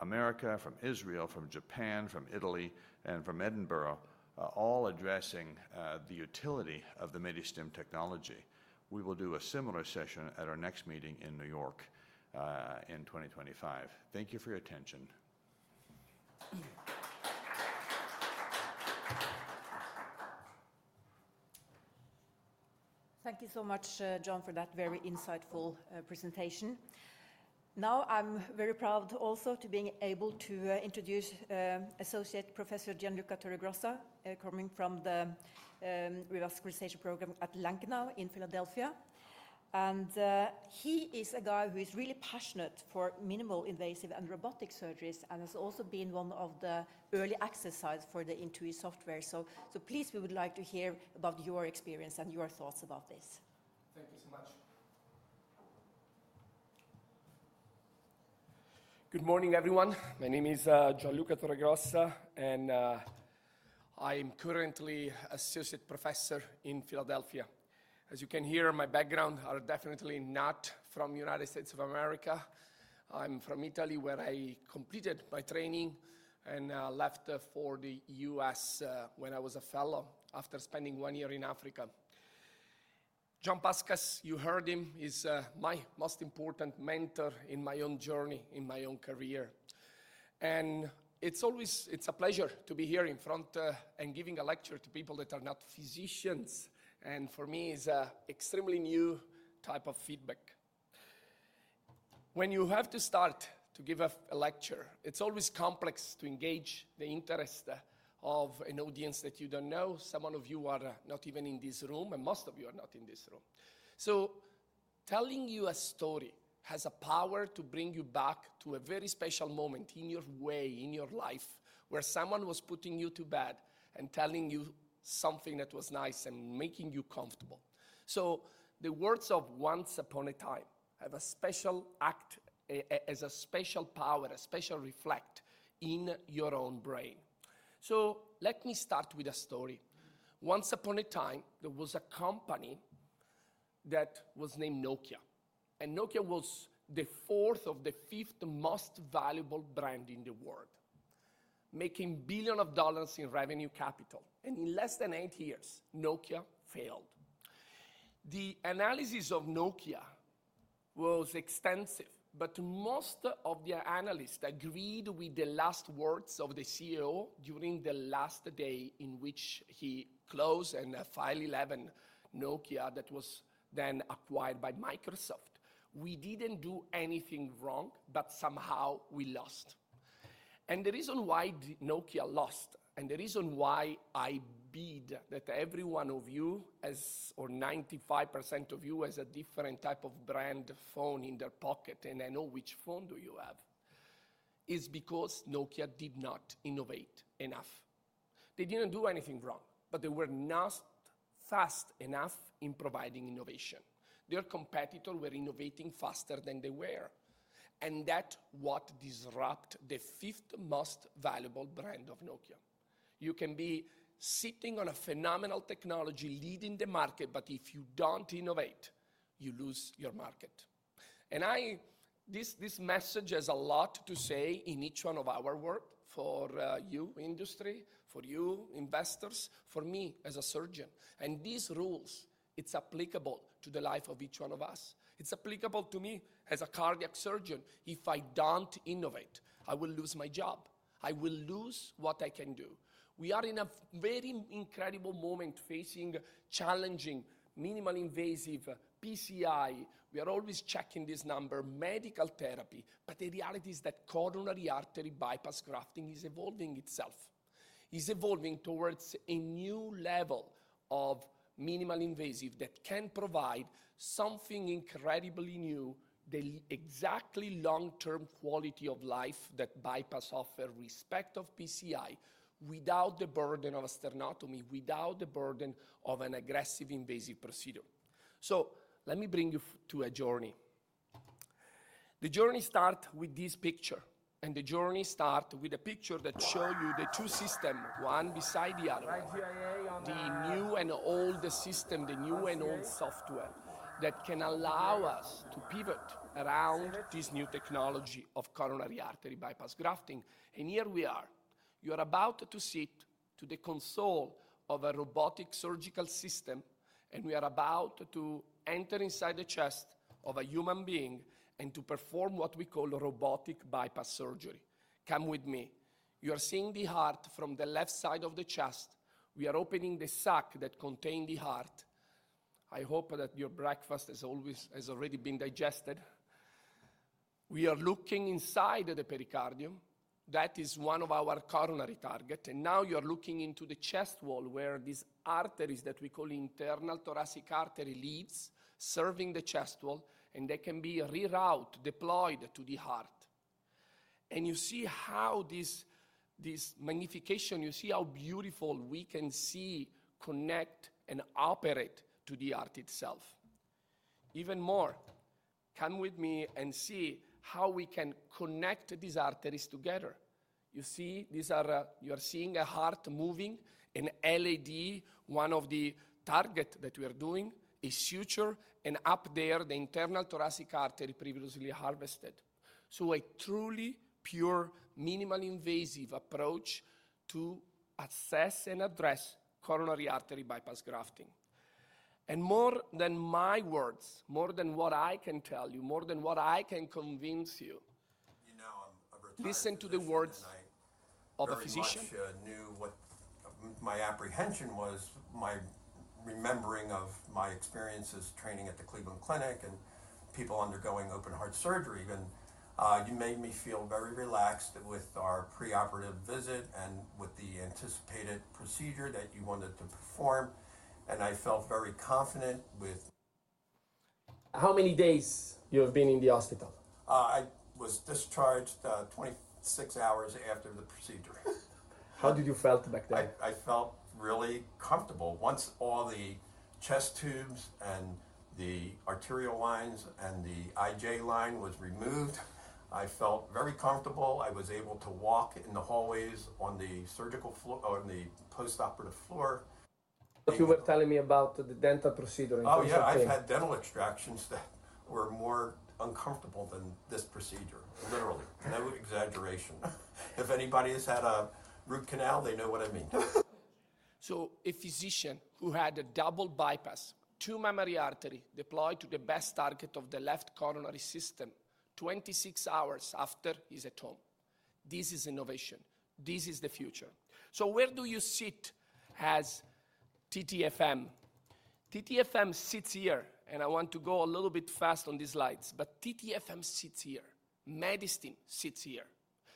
America, from Israel, from Japan, from Italy, and from Edinburgh, all addressing the utility of the Medistim technology. We will do a similar session at our next meeting in New York in 2025. Thank you for your attention. Thank you so much, John, for that very insightful presentation. Now, I'm very proud also to be able to introduce Associate Professor Gianluca Torregrossa, coming from the revascularization program at Lankenau in Philadelphia, and he is a guy who is really passionate for minimally invasive and robotic surgeries and has also been one of the early users for the INTUI software, so please, we would like to hear about your experience and your thoughts about this. Thank you so much. Good morning, everyone. My name is Gianluca Torregrossa, and I am currently an Associate Professor in Philadelphia. As you can hear, my background is definitely not from the United States of America. I'm from Italy, where I completed my training and left for the U.S. when I was a fellow after spending one year in Africa. John Puskas, you heard him, is my most important mentor in my own journey, in my own career, and it's always a pleasure to be here in front and giving a lecture to people that are not physicians, and for me, it's an extremely new type of feedback. When you have to start to give a lecture, it's always complex to engage the interest of an audience that you don't know. Some of you are not even in this room, and most of you are not in this room. So, telling you a story has a power to bring you back to a very special moment in a way, in your life, where someone was putting you to bed and telling you something that was nice and making you comfortable. So, the words of "Once Upon a Time" have a special effect, as a special power, a special effect in your own brain. So, let me start with a story. Once upon a time, there was a company that was named Nokia. And Nokia was the fourth or fifth most valuable brand in the world, making billions of dollars in revenue capital. And in less than eight years, Nokia failed. The analysis of Nokia was extensive, but most of the analysts agreed with the last words of the CEO during the last day in which he closed and filed Chapter 11. Nokia that was then acquired by Microsoft. We didn't do anything wrong, but somehow we lost, and the reason why Nokia lost, and the reason why I bet that every one of you, or 95% of you, has a different type of brand phone in their pocket, and I know which phone you have, is because Nokia did not innovate enough. They didn't do anything wrong, but they were not fast enough in providing innovation. Their competitors were innovating faster than they were, and that's what disrupted the fifth most valuable brand of Nokia. You can be sitting on a phenomenal technology leading the market, but if you don't innovate, you lose your market, and this message has a lot to say in each one of our worlds for your industry, for you investors, for me as a surgeon, and these rules, it's applicable to the life of each one of us. It's applicable to me as a cardiac surgeon. If I don't innovate, I will lose my job. I will lose what I can do. We are in a very incredible moment facing challenging minimally invasive PCI. We are always checking this number, medical therapy. But the reality is that coronary artery bypass grafting is evolving itself. It's evolving towards a new level of minimally invasive that can provide something incredibly new, the exact long-term quality of life that bypass offers with respect to PCI without the burden of a sternotomy, without the burden of an aggressive invasive procedure, so let me bring you to a journey. The journey starts with this picture, and the journey starts with a picture that shows you the two systems, one beside the other. IGIA on the left. The new and old system, the new and old software that can allow us to pivot around this new technology of coronary artery bypass grafting. And here we are. You are about to sit to the console of a robotic surgical system, and we are about to enter inside the chest of a human being and to perform what we call robotic bypass surgery. Come with me. You are seeing the heart from the left side of the chest. We are opening the sac that contains the heart. I hope that your breakfast has already been digested. We are looking inside the pericardium. That is one of our coronary targets. And now you are looking into the chest wall where these arteries that we call internal thoracic arteries serve the chest wall, and they can be rerouted, deployed to the heart. You see how this magnification. You see how beautiful we can see, connect, and operate to the heart itself. Even more, come with me and see how we can connect these arteries together. You see, you are seeing a heart moving, an LAD, one of the targets that we are doing, a suture, and up there, the Internal Thoracic Artery previously harvested. So, a truly pure minimally invasive approach to assess and address coronary artery bypass grafting. And more than my words, more than what I can tell you, more than what I can convince you. You know, I'm retired. Listen to the words of a physician. I knew what my apprehension was, my remembering of my experiences training at the Cleveland Clinic and people undergoing open heart surgery. And you made me feel very relaxed with our preoperative visit and with the anticipated procedure that you wanted to perform. And I felt very confident with. How many days you have been in the hospital? I was discharged 26 hours after the procedure. How did you feel back then? I felt really comfortable. Once all the chest tubes and the arterial lines and the IJ line were removed, I felt very comfortable. I was able to walk in the hallways on the surgical floor or on the postoperative floor. You were telling me about the dental procedure in 2017. Oh, yeah. I've had dental extractions that were more uncomfortable than this procedure, literally. No exaggeration. If anybody has had a root canal, they know what I mean. A physician who had a double bypass, two mammary arteries deployed to the best target of the left coronary system, 26 hours after, he's at home. This is innovation. This is the future. Where do you sit as TTFM? TTFM sits here. I want to go a little bit fast on these slides. TTFM sits here. Medistim sits here,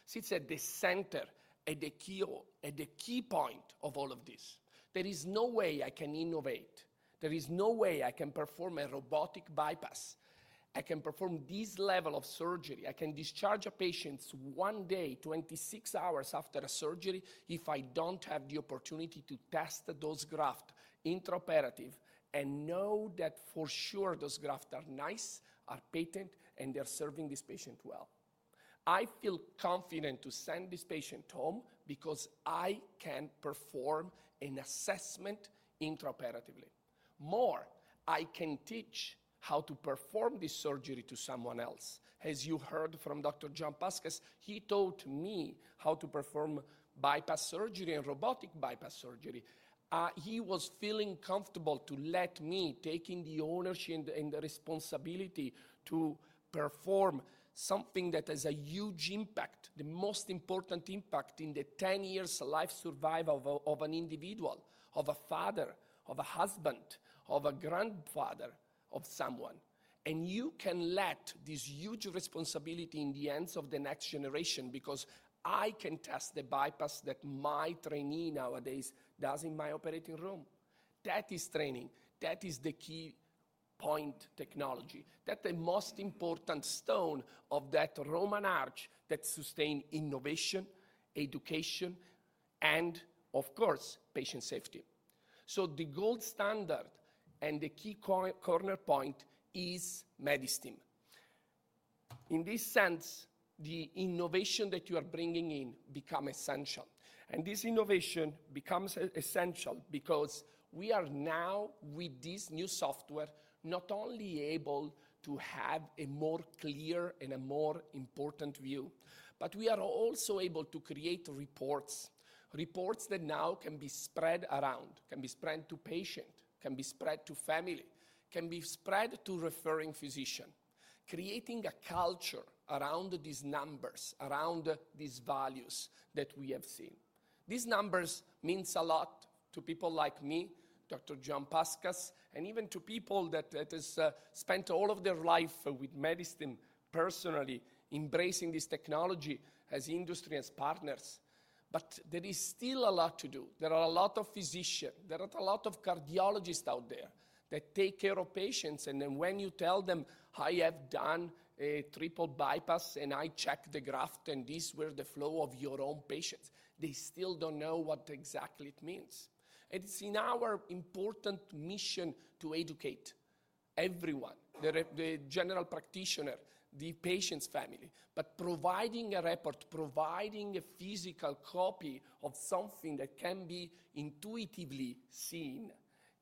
sits at the center, at the key point of all of this. There is no way I can innovate. There is no way I can perform a robotic bypass. I can perform this level of surgery. I can discharge a patient one day, 26 hours after a surgery, if I don't have the opportunity to test those grafts intraoperatively and know that for sure those grafts are nice, are patent, and they're serving this patient well. I feel confident to send this patient home because I can perform an assessment intraoperatively. Moreover, I can teach how to perform this surgery to someone else. As you heard from Dr. John Puskas, he taught me how to perform bypass surgery and robotic bypass surgery. He was feeling comfortable to let me take the ownership and the responsibility to perform something that has a huge impact, the most important impact in the 10-year life survival of an individual, of a father, of a husband, of a grandfather of someone, and you can let this huge responsibility in the hands of the next generation because I can test the bypass that my trainee nowadays does in my operating room. That is training. That is the keystone technology. That's the most important stone of that Roman arch that sustained innovation, education, and, of course, patient safety. So, the gold standard and the key cornerstone is Medistim. In this sense, the innovation that you are bringing in becomes essential. And this innovation becomes essential because we are now, with this new software, not only able to have a more clear and a more important view, but we are also able to create reports, reports that now can be spread around, can be spread to patients, can be spread to families, can be spread to referring physicians, creating a culture around these numbers, around these values that we have seen. These numbers mean a lot to people like me, Dr. John Puskas, and even to people that have spent all of their life with Medistim personally embracing this technology as industry, as partners. But there is still a lot to do. There are a lot of physicians. There are a lot of cardiologists out there that take care of patients. And then when you tell them, "I have done a triple bypass, and I checked the graft, and these were the flow of your own patients," they still don't know what exactly it means. And it's in our important mission to educate everyone, the general practitioner, the patient's family. But providing a report, providing a physical copy of something that can be intuitively seen,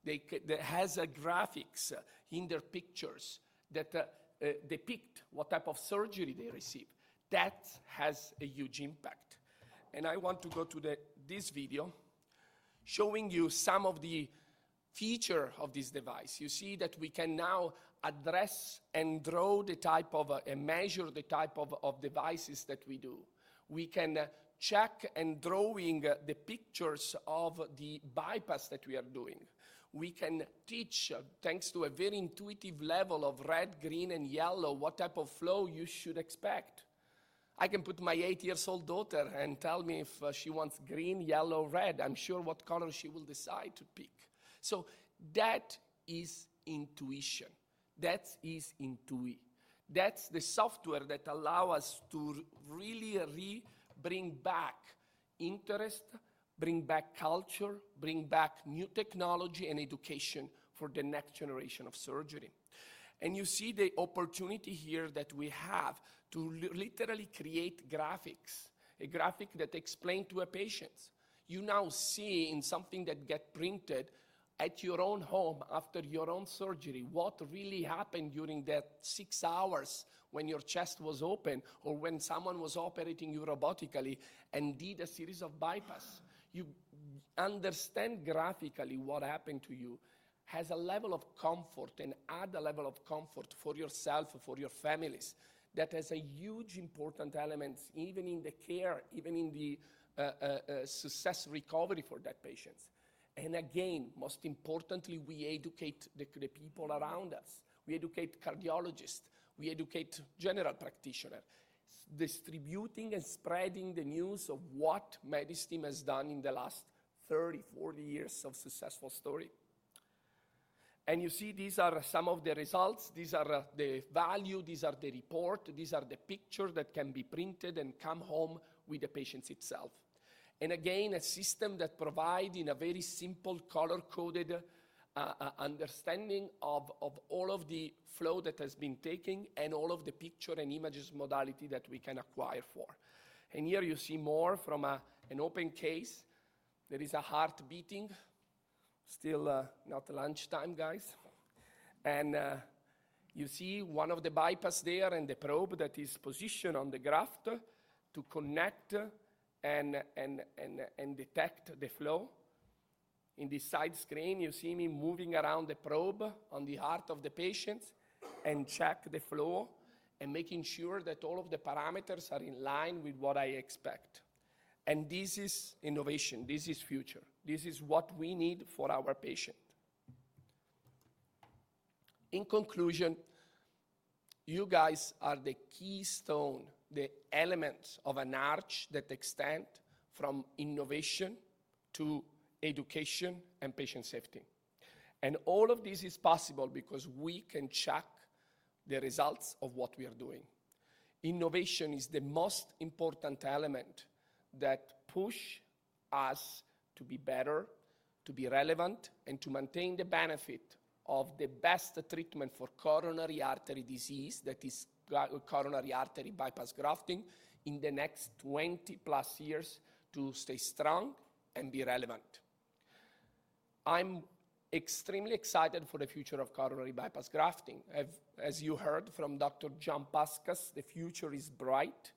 that has graphics in their pictures that depict what type of surgery they receive, that has a huge impact. And I want to go to this video showing you some of the features of this device. You see that we can now address and draw the type of and measure the type of devices that we do. We can check and draw the pictures of the bypass that we are doing. We can teach, thanks to a very intuitive level of red, green, and yellow, what type of flow you should expect. I can put my eight-year-old daughter and tell me if she wants green, yellow, red. I'm sure what color she will decide to pick. So, that is intuition. That is INTUI. That's the software that allows us to really bring back interest, bring back culture, bring back new technology and education for the next generation of surgery. And you see the opportunity here that we have to literally create graphics, a graphic that explains to a patient. You now see in something that gets printed at your own home after your own surgery what really happened during that six hours when your chest was open or when someone was operating you robotically and did a series of bypass. You understand graphically what happened to you. It has a level of comfort and adds a level of comfort for yourself, for your families. That has a huge important element even in the care, even in the success recovery for that patient, and again, most importantly, we educate the people around us. We educate cardiologists. We educate general practitioners, distributing and spreading the news of what medicine has done in the last 30, 40 years of success story. And you see these are some of the results. These are the value. These are the report. These are the pictures that can be printed and come home with the patient itself, and again, a system that provides in a very simple color-coded understanding of all of the flow that has been taken and all of the picture and images modality that we can acquire for. Here you see more from an open case. There is a heart beating. Still not lunchtime, guys. You see one of the bypasses there and the probe that is positioned on the graft to connect and detect the flow. In the side screen, you see me moving around the probe on the heart of the patient and check the flow and making sure that all of the parameters are in line with what I expect. This is innovation. This is future. This is what we need for our patient. In conclusion, you guys are the keystone, the elements of an arch that extend from innovation to education and patient safety. All of this is possible because we can check the results of what we are doing. Innovation is the most important element that pushes us to be better, to be relevant, and to maintain the benefit of the best treatment for coronary artery disease that is coronary artery bypass grafting in the next 20-plus years to stay strong and be relevant. I'm extremely excited for the future of coronary bypass grafting. As you heard from Dr. John Puskas, the future is bright.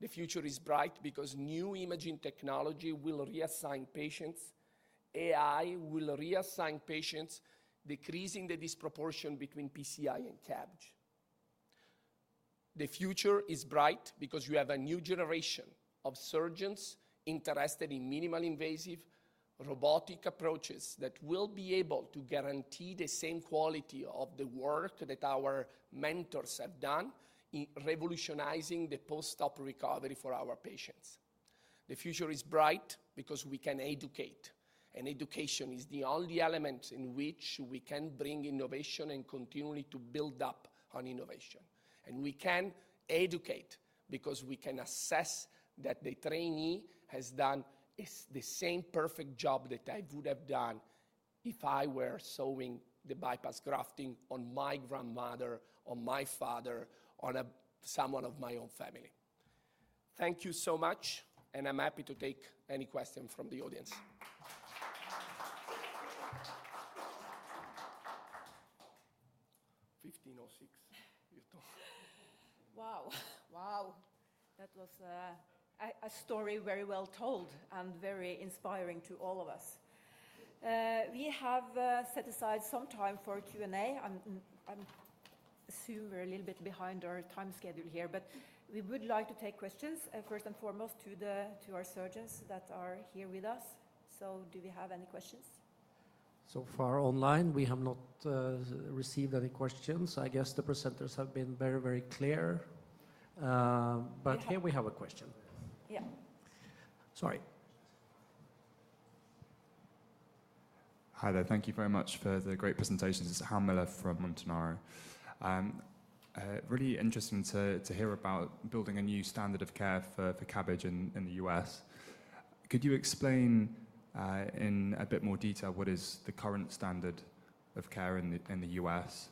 The future is bright because new imaging technology will reassign patients. AI will reassign patients, decreasing the disproportion between PCI and CABG. The future is bright because you have a new generation of surgeons interested in minimally invasive robotic approaches that will be able to guarantee the same quality of the work that our mentors have done in revolutionizing the post-op recovery for our patients. The future is bright because we can educate. Education is the only element in which we can bring innovation and continue to build up on innovation. We can educate because we can assess that the trainee has done the same perfect job that I would have done if I were sewing the bypass grafting on my grandmother, on my father, on someone of my own family. Thank you so much. I'm happy to take any questions from the audience. Wow. Wow. That was a story very well told and very inspiring to all of us. We have set aside some time for Q&A. I assume we're a little bit behind our time schedule here, but we would like to take questions, first and foremost, to our surgeons that are here with us. So, do we have any questions? So far online, we have not received any questions. I guess the presenters have been very, very clear. But here we have a question. Yeah. Sorry. Hi, there. Thank you very much for the great presentation. This is Hemal from Montanaro. Really interesting to hear about building a new standard of care for CABG in the U.S. Could you explain in a bit more detail what is the current standard of care in the U.S.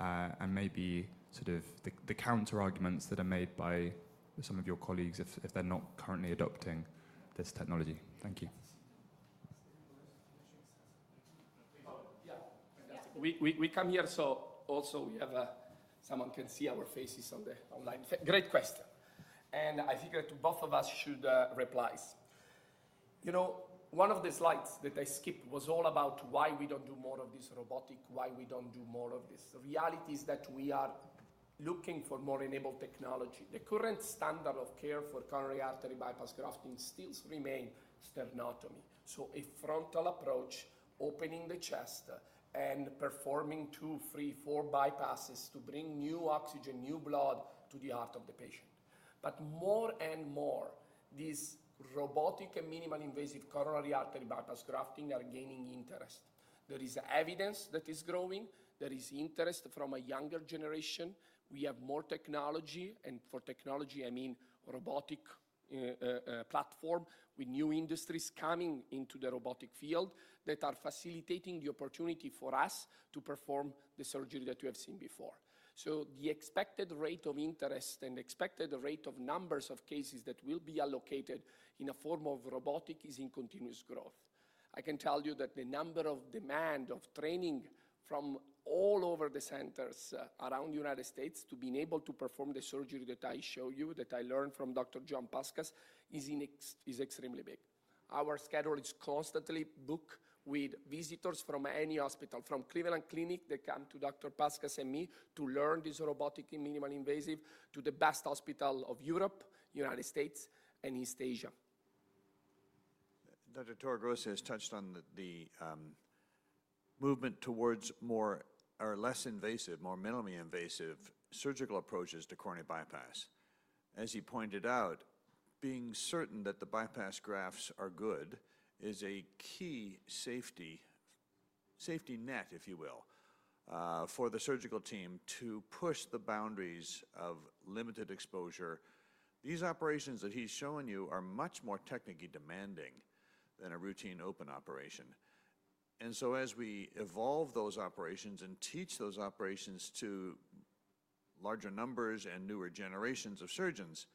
and maybe sort of the counterarguments that are made by some of your colleagues if they're not currently adopting this technology? Thank you. Yeah. We come here so also we have someone who can see our faces online. Great question, and I figured both of us should reply. You know, one of the slides that I skipped was all about why we don't do more of this robotic, why we don't do more of this. The reality is that we are looking for more enabled technology. The current standard of care for coronary artery bypass grafting still remains sternotomy, so a frontal approach, opening the chest and performing two, three, four bypasses to bring new oxygen, new blood to the heart of the patient, but more and more, these robotic and minimally invasive coronary artery bypass grafting are gaining interest. There is evidence that is growing. There is interest from a younger generation. We have more technology. And for technology, I mean robotic platform with new industries coming into the robotic field that are facilitating the opportunity for us to perform the surgery that we have seen before. So, the expected rate of interest and expected rate of numbers of cases that will be allocated in a form of robotic is in continuous growth. I can tell you that the number of demand of training from all over the centers around the United States to be able to perform the surgery that I show you, that I learned from Dr. John Puskas, is extremely big. Our schedule is constantly booked with visitors from any hospital, from Cleveland Clinic that come to Dr. Puskas and me to learn this robotic minimally invasive to the best hospital of Europe, the United States, and East Asia. Dr. Torregrossa has touched on the movement towards more or less invasive, more minimally invasive surgical approaches to coronary bypass. As he pointed out, being certain that the bypass grafts are good is a key safety net, if you will, for the surgical team to push the boundaries of limited exposure. These operations that he's showing you are much more technically demanding than a routine open operation. And so, as we evolve those operations and teach those operations to larger numbers and newer generations of surgeons,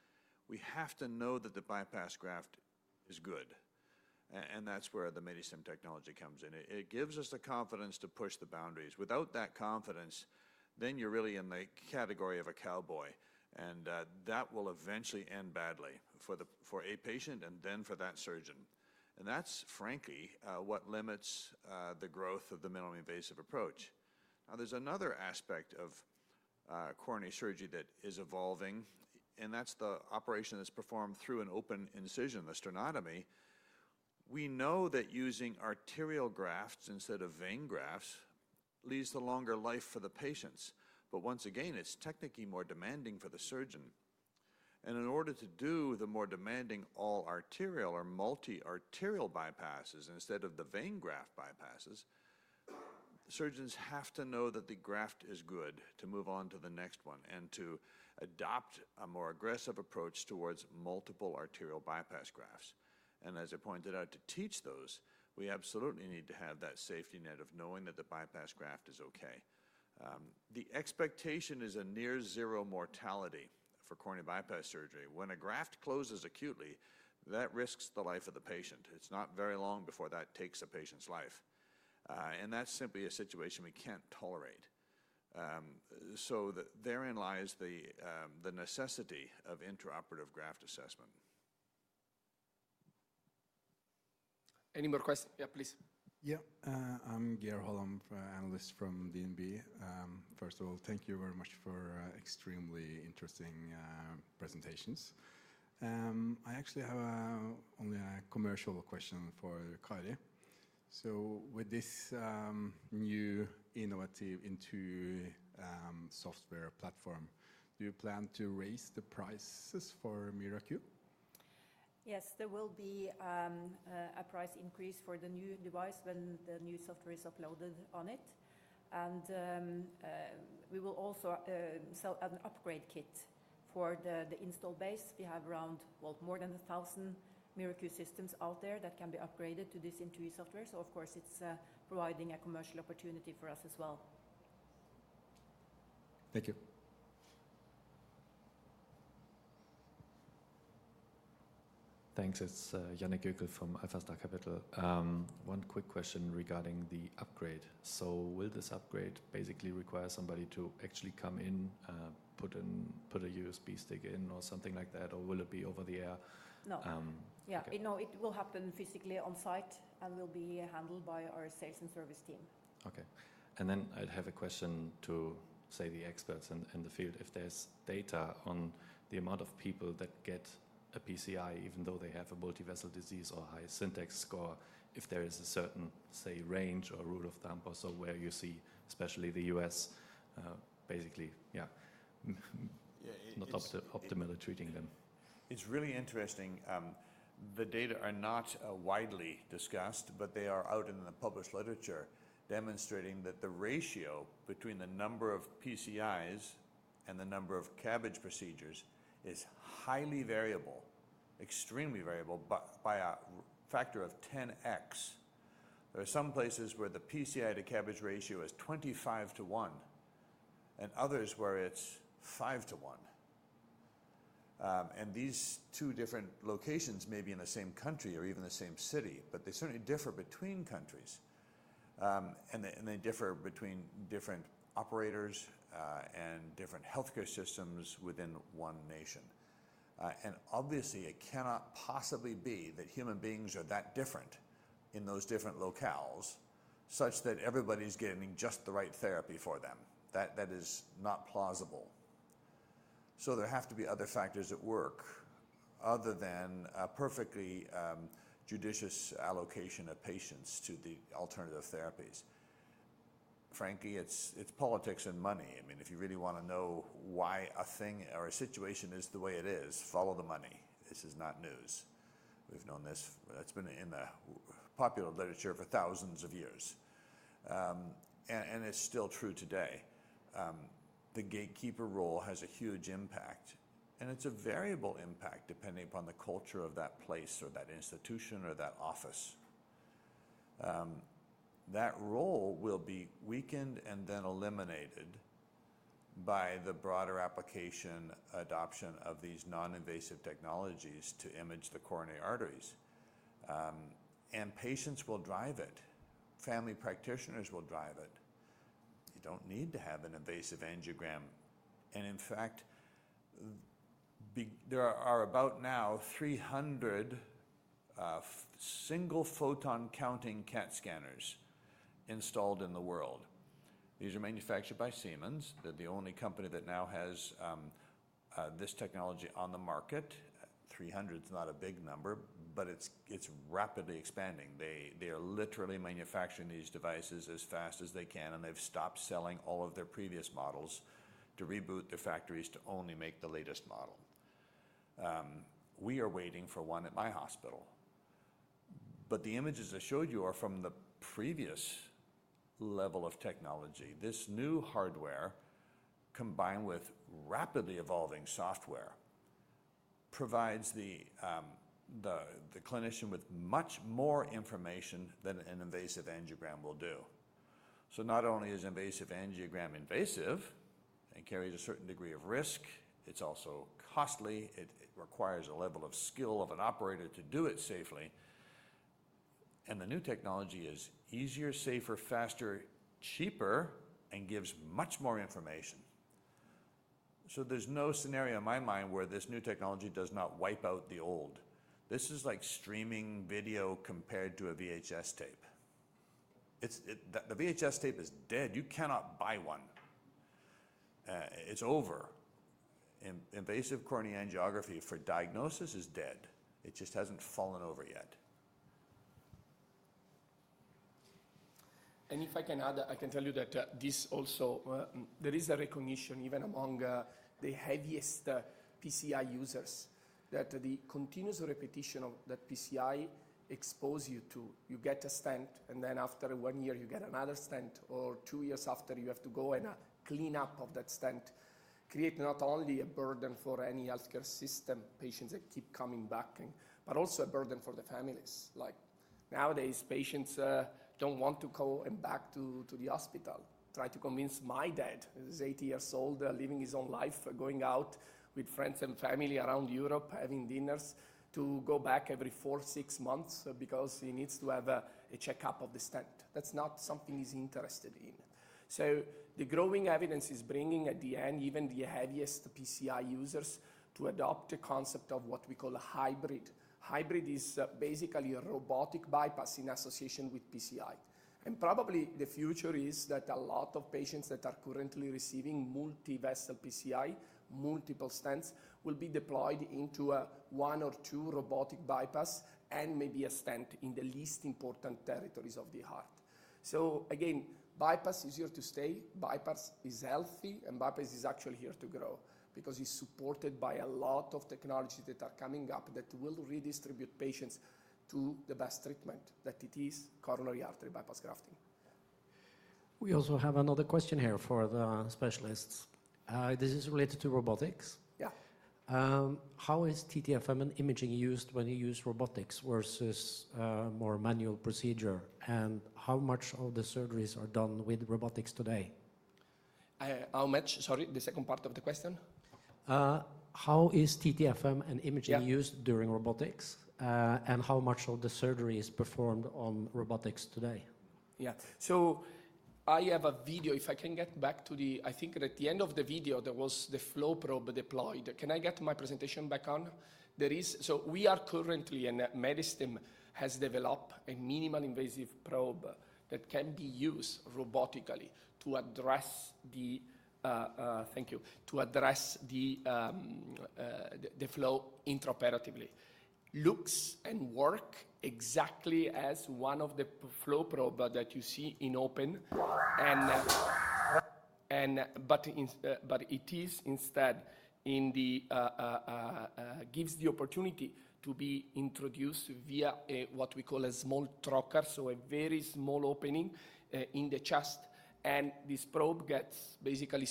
we have to know that the bypass graft is good. And that's where the Medistim technology comes in. It gives us the confidence to push the boundaries. Without that confidence, then you're really in the category of a cowboy. And that will eventually end badly for a patient and then for that surgeon. And that's, frankly, what limits the growth of the minimally invasive approach. Now, there's another aspect of coronary surgery that is evolving, and that's the operation that's performed through an open incision, the sternotomy. We know that using arterial grafts instead of vein grafts leads to longer life for the patients. But once again, it's technically more demanding for the surgeon. And in order to do the more demanding all-arterial or multi-arterial bypasses instead of the vein graft bypasses, surgeons have to know that the graft is good to move on to the next one and to adopt a more aggressive approach towards multiple arterial bypass grafts. And as I pointed out, to teach those, we absolutely need to have that safety net of knowing that the bypass graft is okay. The expectation is a near-zero mortality for coronary bypass surgery. When a graft closes acutely, that risks the life of the patient. It's not very long before that takes a patient's life. And that's simply a situation we can't tolerate. So, therein lies the necessity of intraoperative graft assessment. Any more questions? Yeah, please. Yeah. I'm Geir Holom, analyst from DNB. First of all, thank you very much for extremely interesting presentations. I actually have only a commercial question for Kari. So, with this new innovative software platform, do you plan to raise the prices for MiraQ? Yes, there will be a price increase for the new device when the new software is uploaded on it, and we will also sell an upgrade kit for the install base. We have around, well, more than 1,000 MiraQ systems out there that can be upgraded to this INTUI software, so of course, it's providing a commercial opportunity for us as well. Thank you. Thanks. It's [Jan Kockel] from Alpha Star Capital. One quick question regarding the upgrade. So, will this upgrade basically require somebody to actually come in, put a USB stick in or something like that, or will it be over the air? No. Yeah, no, it will happen physically on site and will be handled by our sales and service team. Okay. And then I'd have a question to, say, the experts in the field. If there's data on the amount of people that get a PCI, even though they have a multi-vessel disease or high SYNTAX score, if there is a certain, say, range or rule of thumb or so where you see, especially the U.S., basically, yeah, not optimally treating them? It's really interesting. The data are not widely discussed, but they are out in the published literature demonstrating that the ratio between the number of PCIs and the number of CABG procedures is highly variable, extremely variable by a factor of 10x. There are some places where the PCI to CABG ratio is 25 to 1, and others where it's 5 to 1. These two different locations may be in the same country or even the same city, but they certainly differ between countries. They differ between different operators and different healthcare systems within one nation. Obviously, it cannot possibly be that human beings are that different in those different locales such that everybody's getting just the right therapy for them. That is not plausible. There have to be other factors at work other than a perfectly judicious allocation of patients to the alternative therapies. Frankly, it's politics and money. I mean, if you really want to know why a thing or a situation is the way it is, follow the money. This is not news. We've known this. It's been in the popular literature for thousands of years. And it's still true today. The gatekeeper role has a huge impact. And it's a variable impact depending upon the culture of that place or that institution or that office. That role will be weakened and then eliminated by the broader application adoption of these non-invasive technologies to image the coronary arteries. And patients will drive it. Family practitioners will drive it. You don't need to have an invasive angiogram. And in fact, there are now about 300 single-photon-counting CAT scanners installed in the world. These are manufactured by Siemens. They're the only company that now has this technology on the market. 300 is not a big number, but it's rapidly expanding. They are literally manufacturing these devices as fast as they can, and they've stopped selling all of their previous models to reboot their factories to only make the latest model. We are waiting for one at my hospital, but the images I showed you are from the previous level of technology. This new hardware, combined with rapidly evolving software, provides the clinician with much more information than an invasive angiogram will do, so not only is an invasive angiogram invasive and carries a certain degree of risk, it's also costly. It requires a level of skill of an operator to do it safely, and the new technology is easier, safer, faster, cheaper, and gives much more information, so there's no scenario in my mind where this new technology does not wipe out the old. This is like streaming video compared to a VHS tape. The VHS tape is dead. You cannot buy one. It's over. Invasive coronary angiography for diagnosis is dead. It just hasn't fallen over yet. And if I can add, I can tell you that this also there is a recognition even among the heaviest PCI users that the continuous repetition of that PCI exposes you to. You get a stent, and then after one year, you get another stent, or two years after, you have to go and clean up that stent, creating not only a burden for any healthcare system, patients that keep coming back, but also a burden for the families. Like nowadays, patients don't want to go back to the hospital. Try to convince my dad, who is 80 years old, living his own life, going out with friends and family around Europe, having dinners, to go back every four, six months because he needs to have a checkup of the stent. That's not something he's interested in. So, the growing evidence is bringing at the end even the heaviest PCI users to adopt the concept of what we call a hybrid. Hybrid is basically a robotic bypass in association with PCI. And probably the future is that a lot of patients that are currently receiving multi-vessel PCI, multiple stents, will be deployed into one or two robotic bypasses and maybe a stent in the least important territories of the heart. So, again, bypass is here to stay. Bypass is healthy, and bypass is actually here to grow because it's supported by a lot of technologies that are coming up that will redistribute patients to the best treatment that it is, coronary artery bypass grafting. We also have another question here for the specialists. This is related to robotics. Yeah. How is TTFM and imaging used when you use robotics versus a more manual procedure? And how much of the surgeries are done with robotics today? How much? Sorry, the second part of the question. How is TTFM and imaging used during robotics, and how much of the surgery is performed on robotics today? Yeah. So, I have a video. If I can get back to the I think at the end of the video, there was the flow probe deployed. Can I get my presentation back on? So, Medistim has developed a minimally invasive probe that can be used robotically to address the thank you to address the flow intraoperatively. Looks and works exactly as one of the flow probes that you see in open. But it is instead in the gives the opportunity to be introduced via what we call a small trocar, so a very small opening in the chest. And this probe gets basically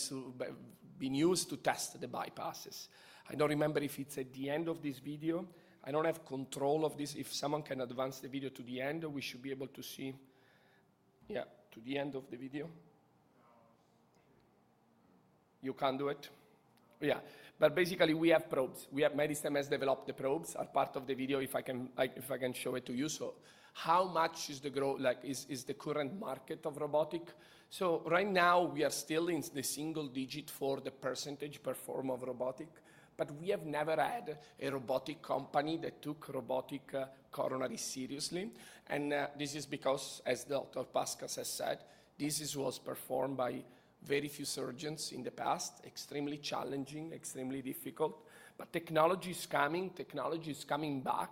been used to test the bypasses. I don't remember if it's at the end of this video. I don't have control of this. If someone can advance the video to the end, we should be able to see, yeah, to the end of the video. You can do it. Yeah. But basically, we have probes. Medistim has developed the probes. Part of the video, if I can show it to you. So, how much is the current market of robotic? So, right now, we are still in the single digit for the percentage performed of robotic. But we have never had a robotic company that took robotic coronaries seriously. And this is because, as Dr. Puskas has said, this was performed by very few surgeons in the past. Extremely challenging, extremely difficult. But technology is coming. Technology is coming back.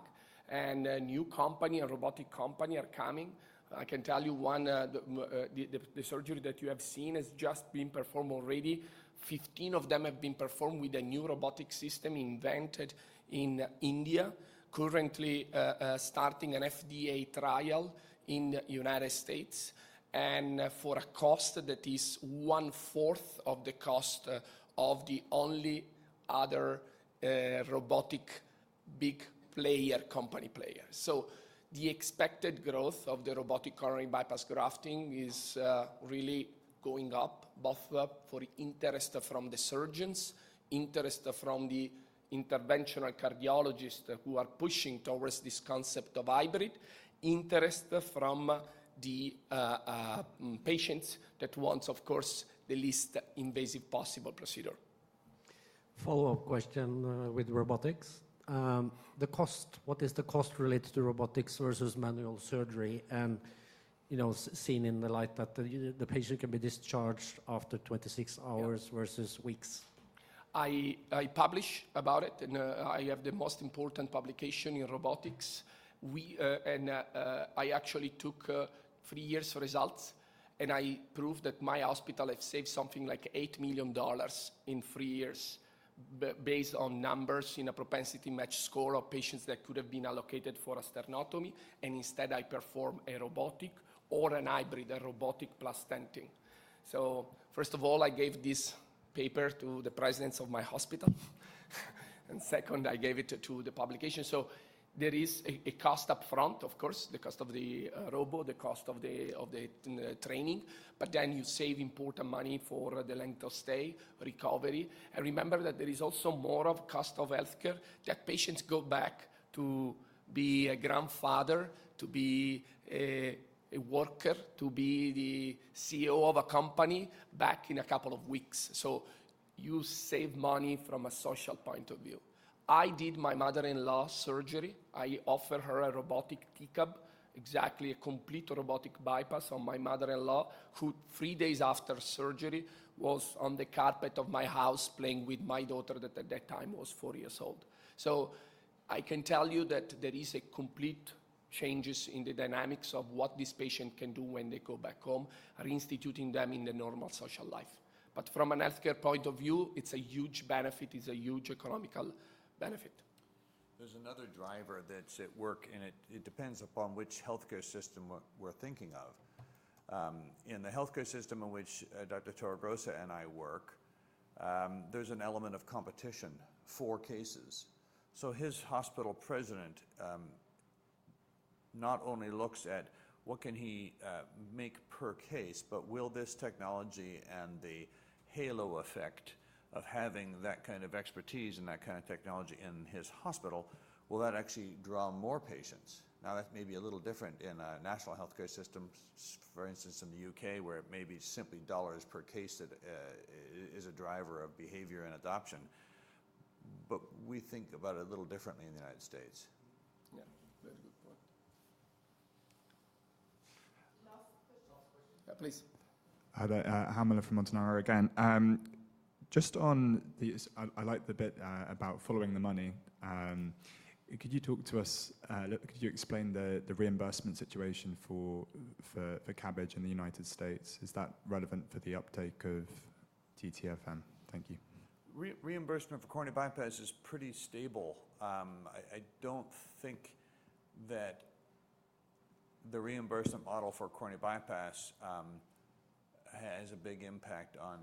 And a new company, a robotic company, are coming. I can tell you, the surgery that you have seen has just been performed already. 15 of them have been performed with a new robotic system invented in India, currently starting an FDA trial in the United States. And for a cost that is one-fourth of the cost of the only other robotic big player company player. So, the expected growth of the robotic coronary bypass grafting is really going up, both for interest from the surgeons, interest from the interventional cardiologists who are pushing towards this concept of hybrid, interest from the patients that want, of course, the least invasive possible procedure. Follow-up question with robotics. The cost, what is the cost related to robotics versus manual surgery? And seen in the light that the patient can be discharged after 26 hours versus weeks. I publish about it, and I have the most important publication in robotics. And I actually took three years' results, and I proved that my hospital has saved something like $8 million in three years based on numbers in a propensity match score of patients that could have been allocated for a sternotomy. And instead, I performed a robotic or an hybrid, a robotic plus stenting. So, first of all, I gave this paper to the presidents of my hospital. And second, I gave it to the publication. So, there is a cost upfront, of course, the cost of the robot, the cost of the training. But then you save important money for the length of stay, recovery. Remember that there is also more to the cost of healthcare that patients go back to be a grandfather, to be a worker, to be the CEO of a company back in a couple of weeks. So, you save money from a social point of view. I did my mother-in-law's surgery. I offered her a robotic takedown, exactly a complete robotic bypass on my mother-in-law, who three days after surgery was on the carpet of my house playing with my daughter that at that time was four years old. So, I can tell you that there are complete changes in the dynamics of what this patient can do when they go back home, reinstituting them in the normal social life. But from a healthcare point of view, it's a huge benefit. It's a huge economic benefit. There's another driver that's at work, and it depends upon which healthcare system we're thinking of. In the healthcare system in which Dr. Torregrossa and I work, there's an element of competition for cases. So, his hospital president not only looks at what can he make per case, but will this technology and the halo effect of having that kind of expertise and that kind of technology in his hospital, will that actually draw more patients? Now, that may be a little different in a national healthcare system, for instance, in the U.K., where it may be simply dollars per case that is a driver of behavior and adoption. But we think about it a little differently in the United States. Yeah. Very good point. Last question. Yeah, please. I'm Hemal from Montanaro again. Just on the, I like the bit about following the money. Could you explain the reimbursement situation for CABG in the United States? Is that relevant for the uptake of TTFM? Thank you. Reimbursement for coronary bypass is pretty stable. I don't think that the reimbursement model for coronary bypass has a big impact on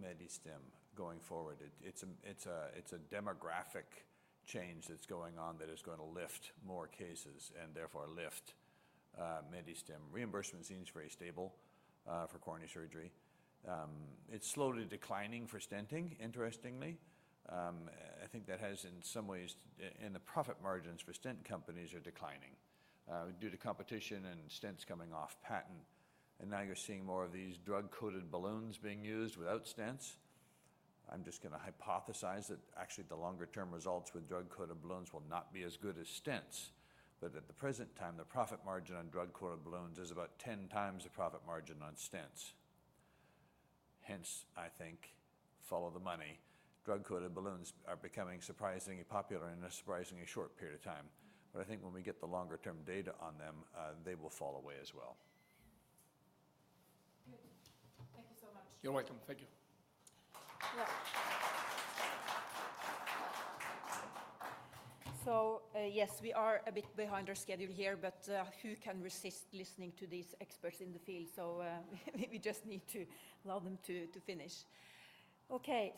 Medistim going forward. It's a demographic change that's going on that is going to lift more cases and therefore lift Medistim. Reimbursement seems very stable for coronary surgery. It's slowly declining for stenting, interestingly. I think that has in some ways and the profit margins for stent companies are declining due to competition and stents coming off patent. And now you're seeing more of these drug-coated balloons being used without stents. I'm just going to hypothesize that actually the longer-term results with drug-coated balloons will not be as good as stents. But at the present time, the profit margin on drug-coated balloons is about 10x the profit margin on stents. Hence, I think, follow the money. Drug-coated balloons are becoming surprisingly popular in a surprisingly short period of time. But I think when we get the longer-term data on them, they will fall away as well. Good. Thank you so much. So, yes, we are a bit behind our schedule here, but who can resist listening to these experts in the field? So, we just need to allow them to finish. Okay.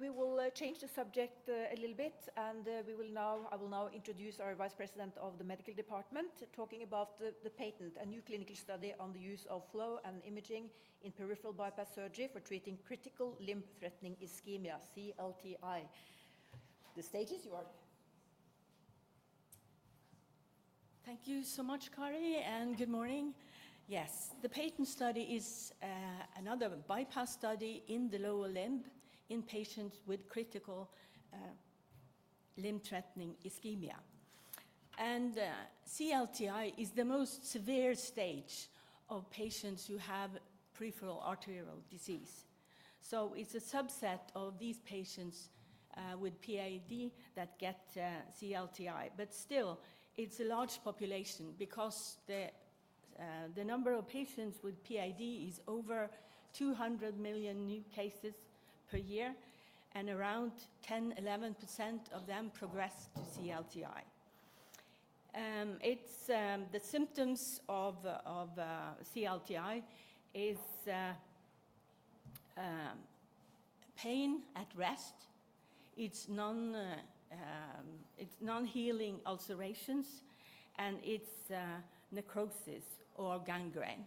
We will change the subject a little bit, and I will now introduce our Vice President of the Medical Department talking about the PATENT, a new clinical study on the use of flow and imaging in peripheral bypass surgery for treating critical limb-threatening ischemia, CLTI. The stage is yours. Thank you so much, Kari. And good morning. Yes, the PATENT study is another bypass study in the lower limb in patients with critical limb-threatening ischemia. And CLTI is the most severe stage of patients who have peripheral arterial disease. So, it's a subset of these patients with PAD that get CLTI. But still, it's a large population because the number of patients with PAD is over 200 million new cases per year, and around 10%-11% of them progress to CLTI. The symptoms of CLTI are pain at rest. It's non-healing ulcerations, and it's necrosis or gangrene.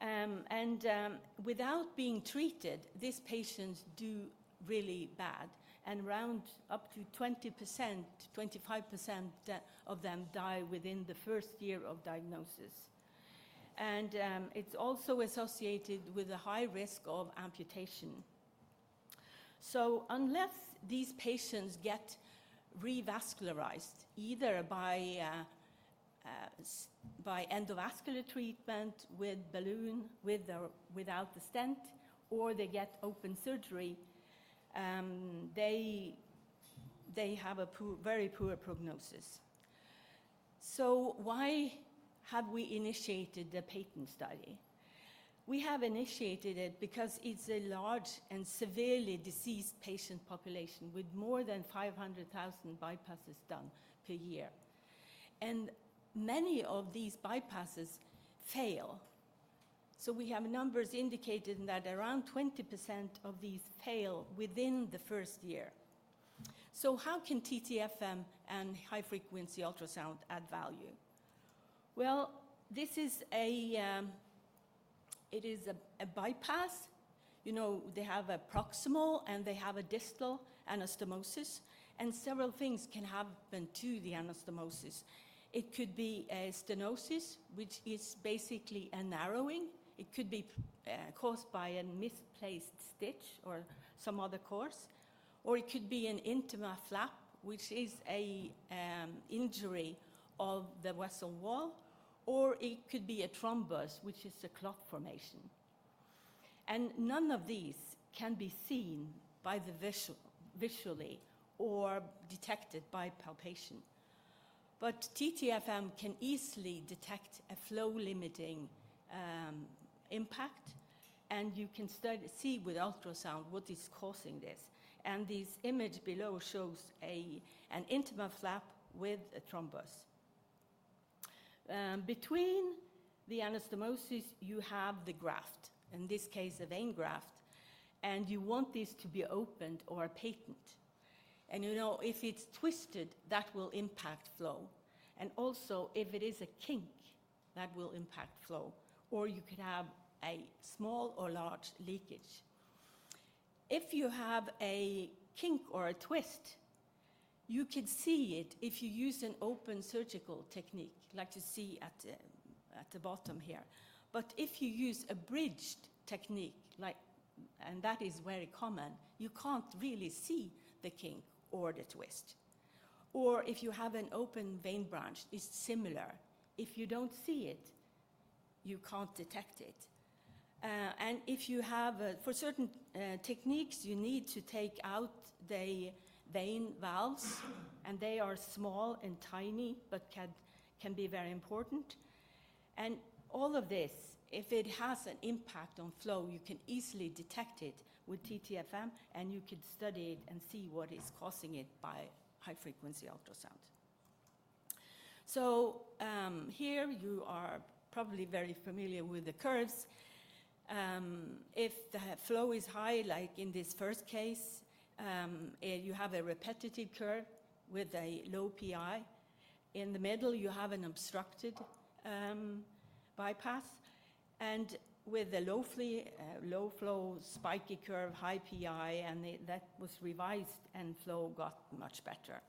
And without being treated, these patients do really bad. And around up to 20%-25% of them die within the first year of diagnosis. And it's also associated with a high risk of amputation. So, unless these patients get revascularized, either by endovascular treatment with balloon, without the stent, or they get open surgery, they have a very poor prognosis. So, why have we initiated the PATENT study? We have initiated it because it's a large and severely diseased patient population with more than 500,000 bypasses done per year. And many of these bypasses fail. So, we have numbers indicating that around 20% of these fail within the first year. So, how can TTFM and high-frequency ultrasound add value? Well, this is a bypass. You know, they have a proximal, and they have a distal anastomosis. And several things can happen to the anastomosis. It could be a stenosis, which is basically a narrowing. It could be caused by a misplaced stitch or some other cause. Or it could be an intimal flap, which is an injury of the vessel wall. Or it could be a thrombus, which is a clot formation. And none of these can be seen visually or detected by palpation. But TTFM can easily detect a flow-limiting impact. And you can see with ultrasound what is causing this. And this image below shows an intimal flap with a thrombus. Between the anastomosis, you have the graft, in this case, a vein graft. And you want this to be open or patent. And you know, if it's twisted, that will impact flow. And also, if it is a kink, that will impact flow. Or you could have a small or large leakage. If you have a kink or a twist, you can see it if you use an open surgical technique, like you see at the bottom here. But if you use a bridged technique, like, and that is very common, you can't really see the kink or the twist. Or if you have an open vein branch, it's similar. If you don't see it, you can't detect it. And if you have for certain techniques, you need to take out the vein valves. And they are small and tiny, but can be very important. And all of this, if it has an impact on flow, you can easily detect it with TTFM. And you could study it and see what is causing it by high-frequency ultrasound. So, here, you are probably very familiar with the curves. If the flow is high, like in this first case, you have a repetitive curve with a low PI. In the middle, you have an obstructed bypass. And with a low-flow, spiky curve, high PI. That was revised, and flow got much better.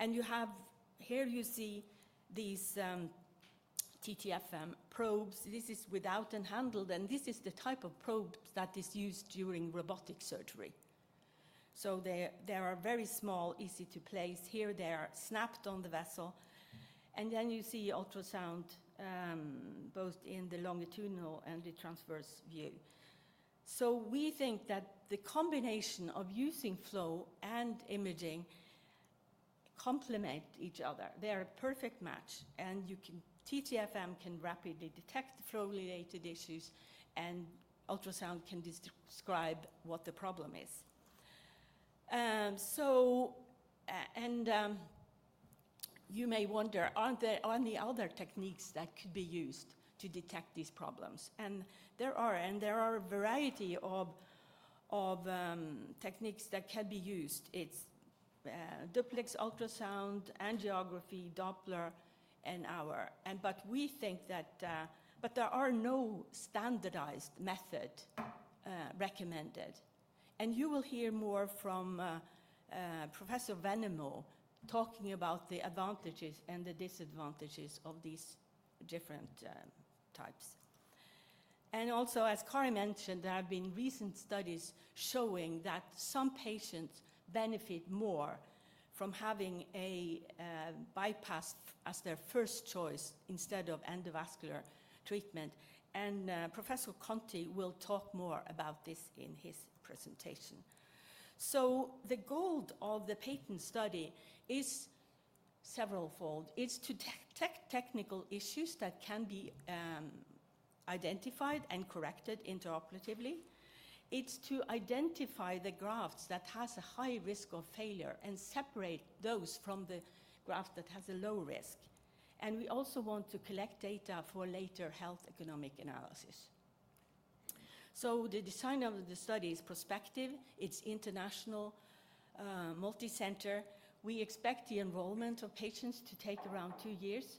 You have here; you see these TTFM probes. This is without and with handle. This is the type of probe that is used during robotic surgery. They are very small, easy to place. Here, they are snapped on the vessel. Then you see ultrasound both in the longitudinal and the transverse view. We think that the combination of using flow and imaging complements each other. They are a perfect match. TTFM can rapidly detect flow-related issues, and ultrasound can describe what the problem is. You may wonder, are there any other techniques that could be used to detect these problems? There are. There are a variety of techniques that can be used. It's duplex ultrasound, angiography, Doppler, and ours. We think that there are no standardized methods recommended. You will hear more from Professor Venermo talking about the advantages and the disadvantages of these different types. Also, as Kari mentioned, there have been recent studies showing that some patients benefit more from having a bypass as their first choice instead of endovascular treatment. Professor Conte will talk more about this in his presentation. The goal of the PATENT study is several-fold. It's to detect technical issues that can be identified and corrected intraoperatively. It's to identify the grafts that have a high risk of failure and separate those from the grafts that have a low risk. We also want to collect data for later health economic analysis. The design of the study is prospective. It's international, multi-centered. We expect the enrollment of patients to take around two years.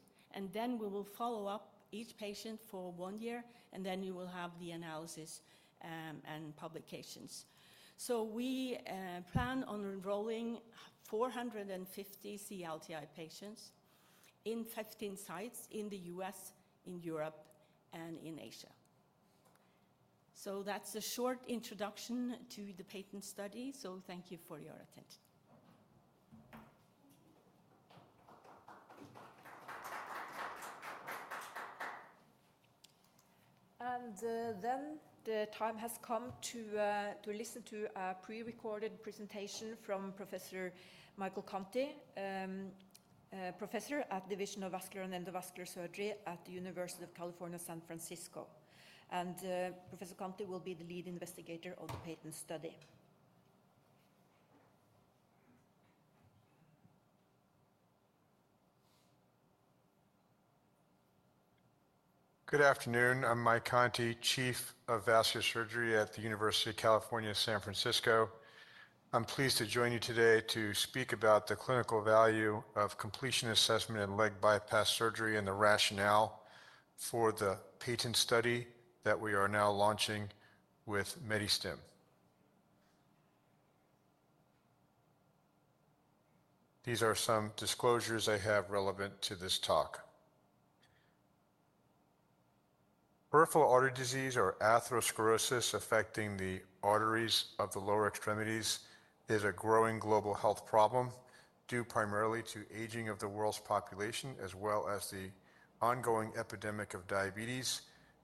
Then we will follow up each patient for one year. Then you will have the analysis and publications. We plan on enrolling 450 CLTI patients in 15 sites in the U.S., in Europe, and in Asia. That's a short introduction to the PATENT study. Thank you for your attention. Then, the time has come to listen to a pre-recorded presentation from Professor Michael Conte, Professor at the Division of Vascular and Endovascular Surgery at the University of California, San Francisco. Professor Conte will be the lead investigator of the PATENT study. Good afternoon. I'm Michael Conte, Chief of Vascular Surgery at the University of California, San Francisco. I'm pleased to join you today to speak about the clinical value of completion assessment in leg bypass surgery and the rationale for the PATENT study that we are now launching with Medistim. These are some disclosures I have relevant to this talk. Peripheral artery disease, or atherosclerosis, affecting the arteries of the lower extremities is a growing global health problem due primarily to the aging of the world's population, as well as the ongoing epidemic of diabetes.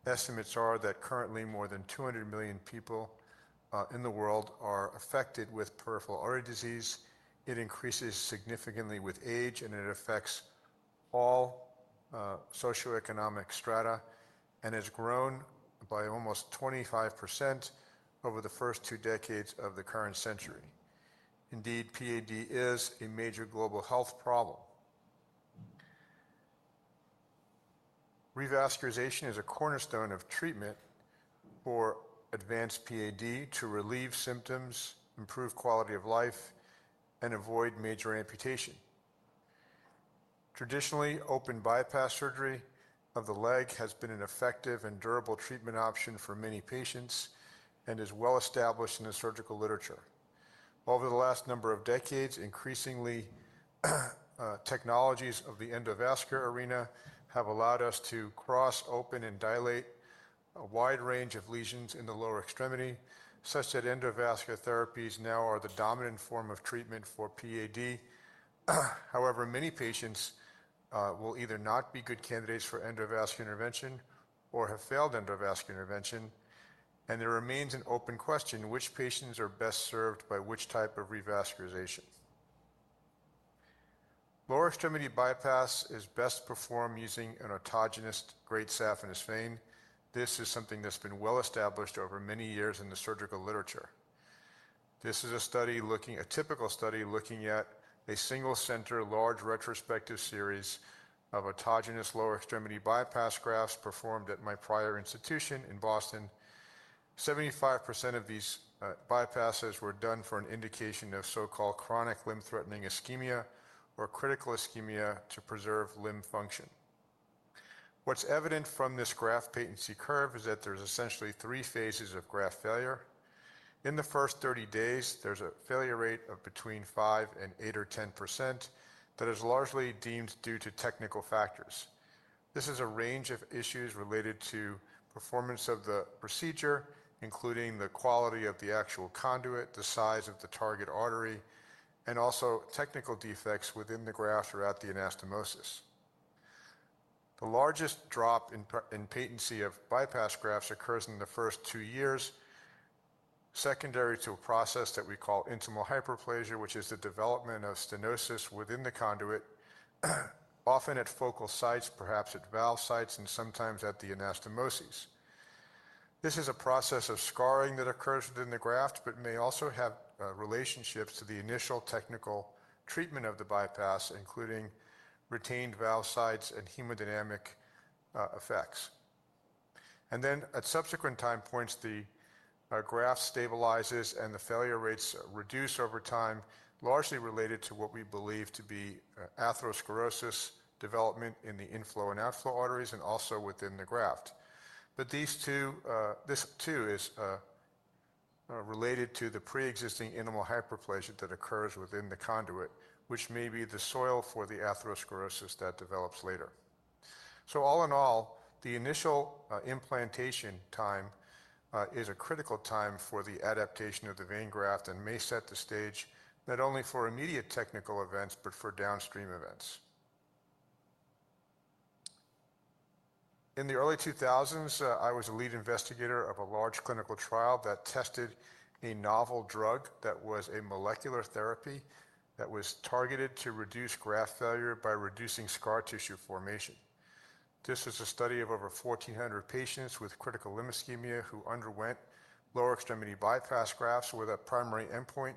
Estimates are that currently, more than 200 million people in the world are affected with peripheral artery disease. It increases significantly with age, and it affects all socioeconomic strata and has grown by almost 25% over the first two decades of the current century. Indeed, PAD is a major global health problem. Revascularization is a cornerstone of treatment for advanced PAD to relieve symptoms, improve quality of life, and avoid major amputation. Traditionally, open bypass surgery of the leg has been an effective and durable treatment option for many patients and is well established in the surgical literature. Over the last number of decades, increasingly, technologies of the endovascular arena have allowed us to cross, open, and dilate a wide range of lesions in the lower extremity, such that endovascular therapies now are the dominant form of treatment for PAD. However, many patients will either not be good candidates for endovascular intervention or have failed endovascular intervention, and there remains an open question: which patients are best served by which type of revascularization? Lower extremity bypass is best performed using an autogenous great saphenous vein. This is something that's been well established over many years in the surgical literature. This is a typical study looking at a single-center large retrospective series of autogenous lower extremity bypass grafts performed at my prior institution in Boston. 75% of these bypasses were done for an indication of so-called chronic limb-threatening ischemia or critical ischemia to preserve limb function. What's evident from this graft patency curve is that there's essentially three phases of graft failure. In the first 30 days, there's a failure rate of between 5%-8% or 10% that is largely deemed due to technical factors. This is a range of issues related to performance of the procedure, including the quality of the actual conduit, the size of the target artery, and also technical defects within the grafts or at the anastomosis. The largest drop in patency of bypass grafts occurs in the first two years, secondary to a process that we call intimal hyperplasia, which is the development of stenosis within the conduit, often at focal sites, perhaps at valve sites, and sometimes at the anastomoses. This is a process of scarring that occurs within the graft, but may also have relationships to the initial technical treatment of the bypass, including retained valve sites and hemodynamic effects. And then, at subsequent time points, the graft stabilizes, and the failure rates reduce over time, largely related to what we believe to be atherosclerosis development in the inflow and outflow arteries and also within the graft. But this too is related to the pre-existing intimal hyperplasia that occurs within the conduit, which may be the soil for the atherosclerosis that develops later. All in all, the initial implantation time is a critical time for the adaptation of the vein graft and may set the stage not only for immediate technical events, but for downstream events. In the early 2000s, I was a lead investigator of a large clinical trial that tested a novel drug that was a molecular therapy that was targeted to reduce graft failure by reducing scar tissue formation. This was a study of over 1,400 patients with critical limb ischemia who underwent lower extremity bypass grafts with a primary endpoint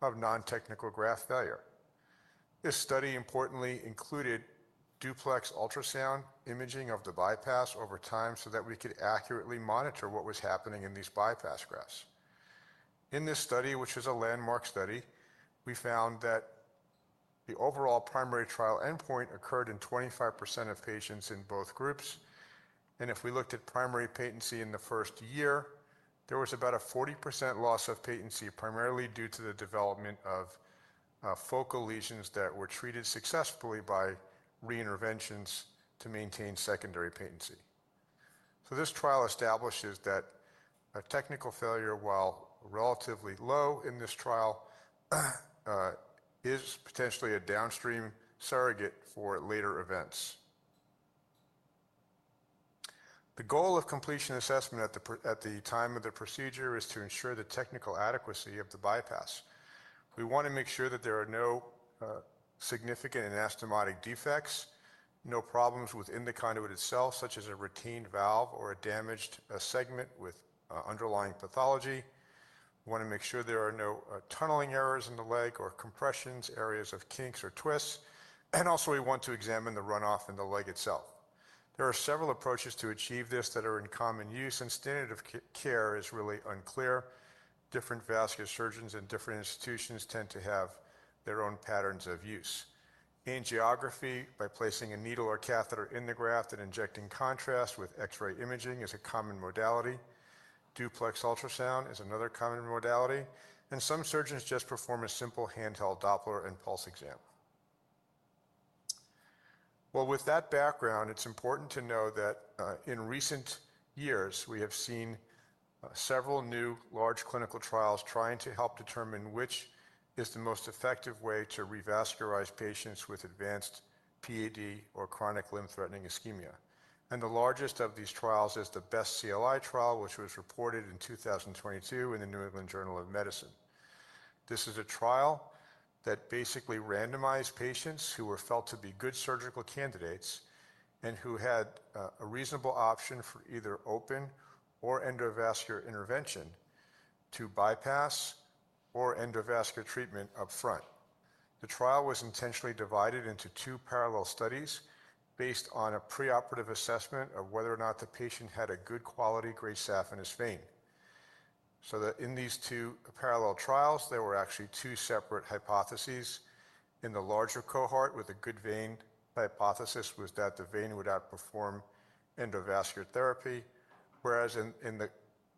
of non-technical graft failure. This study, importantly, included duplex ultrasound imaging of the bypass over time so that we could accurately monitor what was happening in these bypass grafts. In this study, which was a landmark study, we found that the overall primary trial endpoint occurred in 25% of patients in both groups. And if we looked at primary patency in the first year, there was about a 40% loss of patency, primarily due to the development of focal lesions that were treated successfully by re-interventions to maintain secondary patency. So, this trial establishes that a technical failure, while relatively low in this trial, is potentially a downstream surrogate for later events. The goal of completion assessment at the time of the procedure is to ensure the technical adequacy of the bypass. We want to make sure that there are no significant anastomotic defects, no problems within the conduit itself, such as a retained valve or a damaged segment with underlying pathology. We want to make sure there are no tunneling errors in the leg or compressions, areas of kinks or twists. And also, we want to examine the runoff in the leg itself. There are several approaches to achieve this that are in common use, and standard of care is really unclear. Different vascular surgeons and different institutions tend to have their own patterns of use. Angiography, by placing a needle or catheter in the graft and injecting contrast with X-ray imaging, is a common modality. Duplex ultrasound is another common modality, and some surgeons just perform a simple handheld Doppler and pulse exam. With that background, it's important to know that in recent years, we have seen several new large clinical trials trying to help determine which is the most effective way to revascularize patients with advanced PAD or chronic limb-threatening ischemia, and the largest of these trials is the BEST-CLI trial, which was reported in 2022 in the New England Journal of Medicine. This is a trial that basically randomized patients who were felt to be good surgical candidates and who had a reasonable option for either open or endovascular intervention to bypass or endovascular treatment upfront. The trial was intentionally divided into two parallel studies based on a preoperative assessment of whether or not the patient had a good quality great saphenous vein. So, in these two parallel trials, there were actually two separate hypotheses. In the larger cohort, with a good vein, the hypothesis was that the vein would outperform endovascular therapy. Whereas in the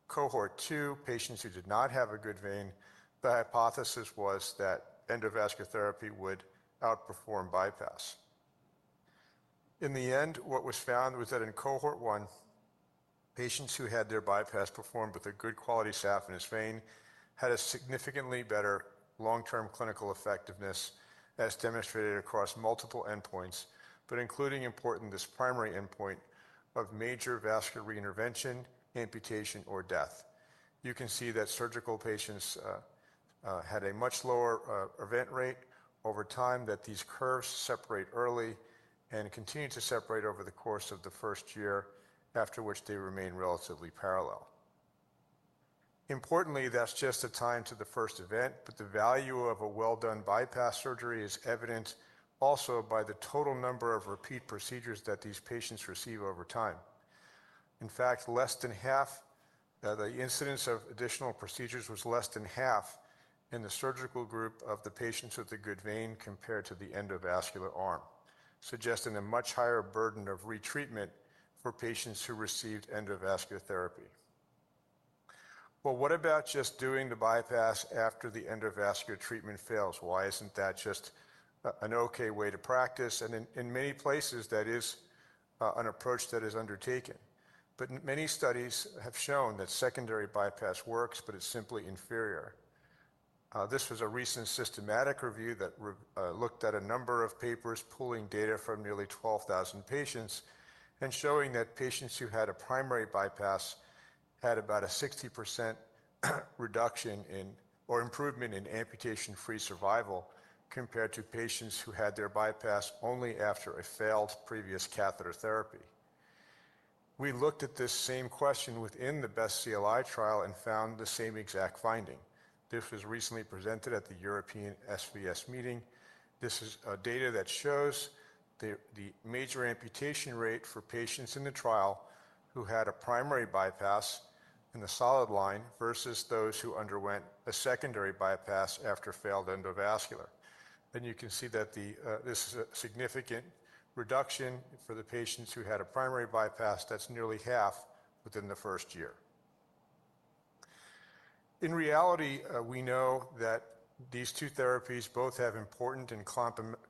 cohort two, patients who did not have a good vein, the hypothesis was that endovascular therapy would outperform bypass. In the end, what was found was that in cohort one, patients who had their bypass performed with a good quality saphenous vein had a significantly better long-term clinical effectiveness, as demonstrated across multiple endpoints, but including, importantly, this primary endpoint of major vascular re-intervention, amputation, or death. You can see that surgical patients had a much lower event rate over time, that these curves separate early and continue to separate over the course of the first year, after which they remain relatively parallel. Importantly, that's just a time to the first event, but the value of a well-done bypass surgery is evident also by the total number of repeat procedures that these patients receive over time. In fact, less than half the incidence of additional procedures was less than half in the surgical group of the patients with a good vein compared to the endovascular arm, suggesting a much higher burden of retreatment for patients who received endovascular therapy. Well, what about just doing the bypass after the endovascular treatment fails? Why isn't that just an okay way to practice? And in many places, that is an approach that is undertaken. But many studies have shown that secondary bypass works, but it's simply inferior. This was a recent systematic review that looked at a number of papers pulling data from nearly 12,000 patients and showing that patients who had a primary bypass had about a 60% reduction in or improvement in amputation-free survival compared to patients who had their bypass only after a failed previous catheter therapy. We looked at this same question within the BEST-CLI trial and found the same exact finding. This was recently presented at the ESVS meeting. This is data that shows the major amputation rate for patients in the trial who had a primary bypass in the solid line versus those who underwent a secondary bypass after failed endovascular. And you can see that this is a significant reduction for the patients who had a primary bypass. That's nearly half within the first year. In reality, we know that these two therapies both have important and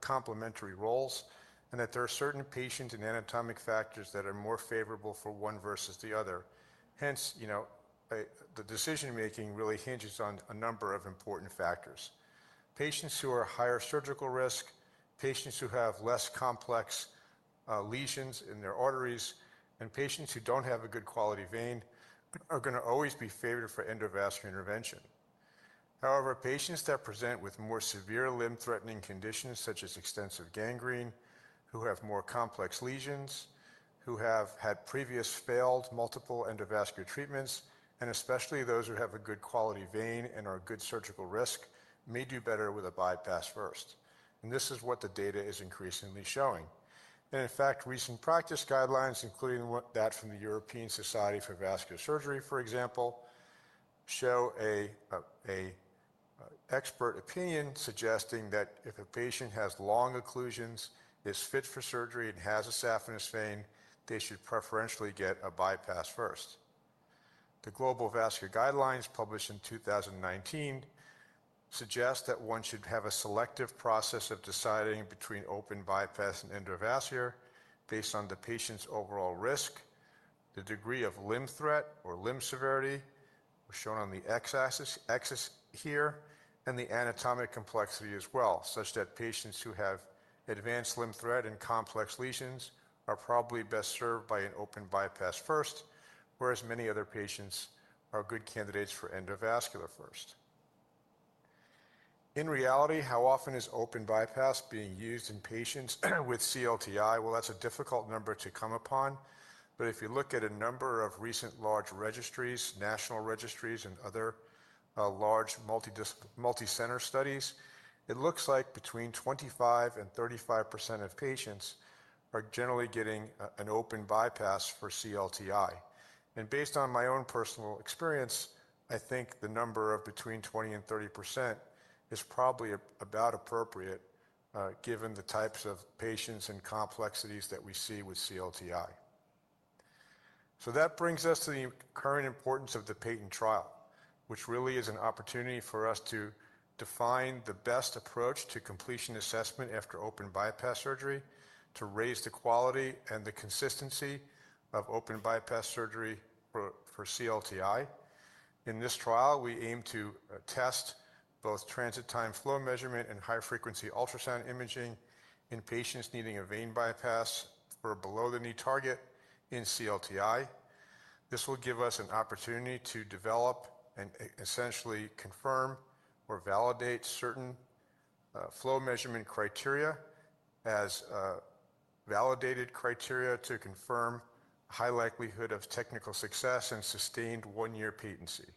complementary roles and that there are certain patients and anatomic factors that are more favorable for one versus the other. Hence, the decision-making really hinges on a number of important factors: patients who are higher surgical risk, patients who have less complex lesions in their arteries, and patients who don't have a good quality vein are going to always be favored for endovascular intervention. However, patients that present with more severe limb-threatening conditions, such as extensive gangrene, who have more complex lesions, who have had previous failed multiple endovascular treatments, and especially those who have a good quality vein and are good surgical risk, may do better with a bypass first, and this is what the data is increasingly showing. In fact, recent practice guidelines, including that from the European Society for Vascular Surgery, for example, show an expert opinion suggesting that if a patient has long occlusions, is fit for surgery, and has a saphenous vein, they should preferentially get a bypass first. The Global Vascular Guidelines, published in 2019, suggest that one should have a selective process of deciding between open bypass and endovascular based on the patient's overall risk, the degree of limb threat or limb severity, which is shown on the x-axis here, and the anatomic complexity as well, such that patients who have advanced limb threat and complex lesions are probably best served by an open bypass first, whereas many other patients are good candidates for endovascular first. In reality, how often is open bypass being used in patients with CLTI? That's a difficult number to come upon, but if you look at a number of recent large registries, national registries, and other large multi-center studies, it looks like between 25% and 35% of patients are generally getting an open bypass for CLTI. Based on my own personal experience, I think the number between 20% and 30% is probably about appropriate given the types of patients and complexities that we see with CLTI. That brings us to the current importance of the PATENT trial, which really is an opportunity for us to define the best approach to completion assessment after open bypass surgery to raise the quality and the consistency of open bypass surgery for CLTI. In this trial, we aim to test both transit time flow measurement and high-frequency ultrasound imaging in patients needing a vein bypass for below-the-knee target in CLTI. This will give us an opportunity to develop and essentially confirm or validate certain flow measurement criteria as validated criteria to confirm a high likelihood of technical success and sustained one-year patency.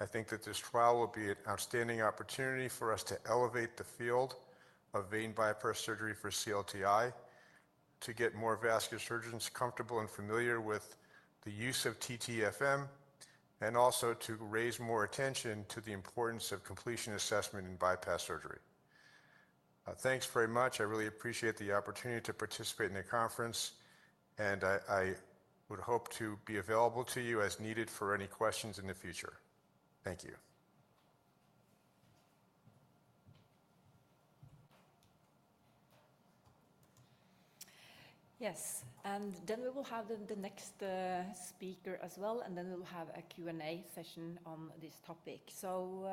I think that this trial will be an outstanding opportunity for us to elevate the field of vein bypass surgery for CLTI, to get more vascular surgeons comfortable and familiar with the use of TTFM, and also to raise more attention to the importance of completion assessment in bypass surgery. Thanks very much. I really appreciate the opportunity to participate in the conference, and I would hope to be available to you as needed for any questions in the future. Thank you. Yes. And then we will have the next speaker as well, and then we will have a Q&A session on this topic. So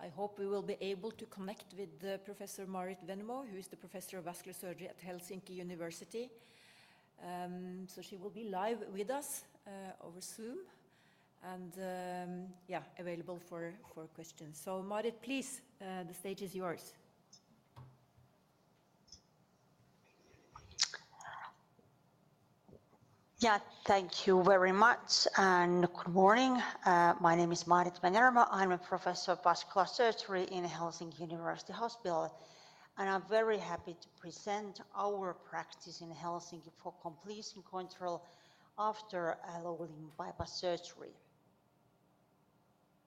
I hope we will be able to connect with Professor Maarit Venermo, who is the Professor of Vascular Surgery at Helsinki University. So she will be live with us over Zoom and, yeah, available for questions. So, Maarit, please, the stage is yours. Yeah, thank you very much. And good morning. My name is Maarit Venermo. I'm a Professor of Vascular Surgery in Helsinki University Hospital. And I'm very happy to present our practice in Helsinki for completion control after lower limb bypass surgery.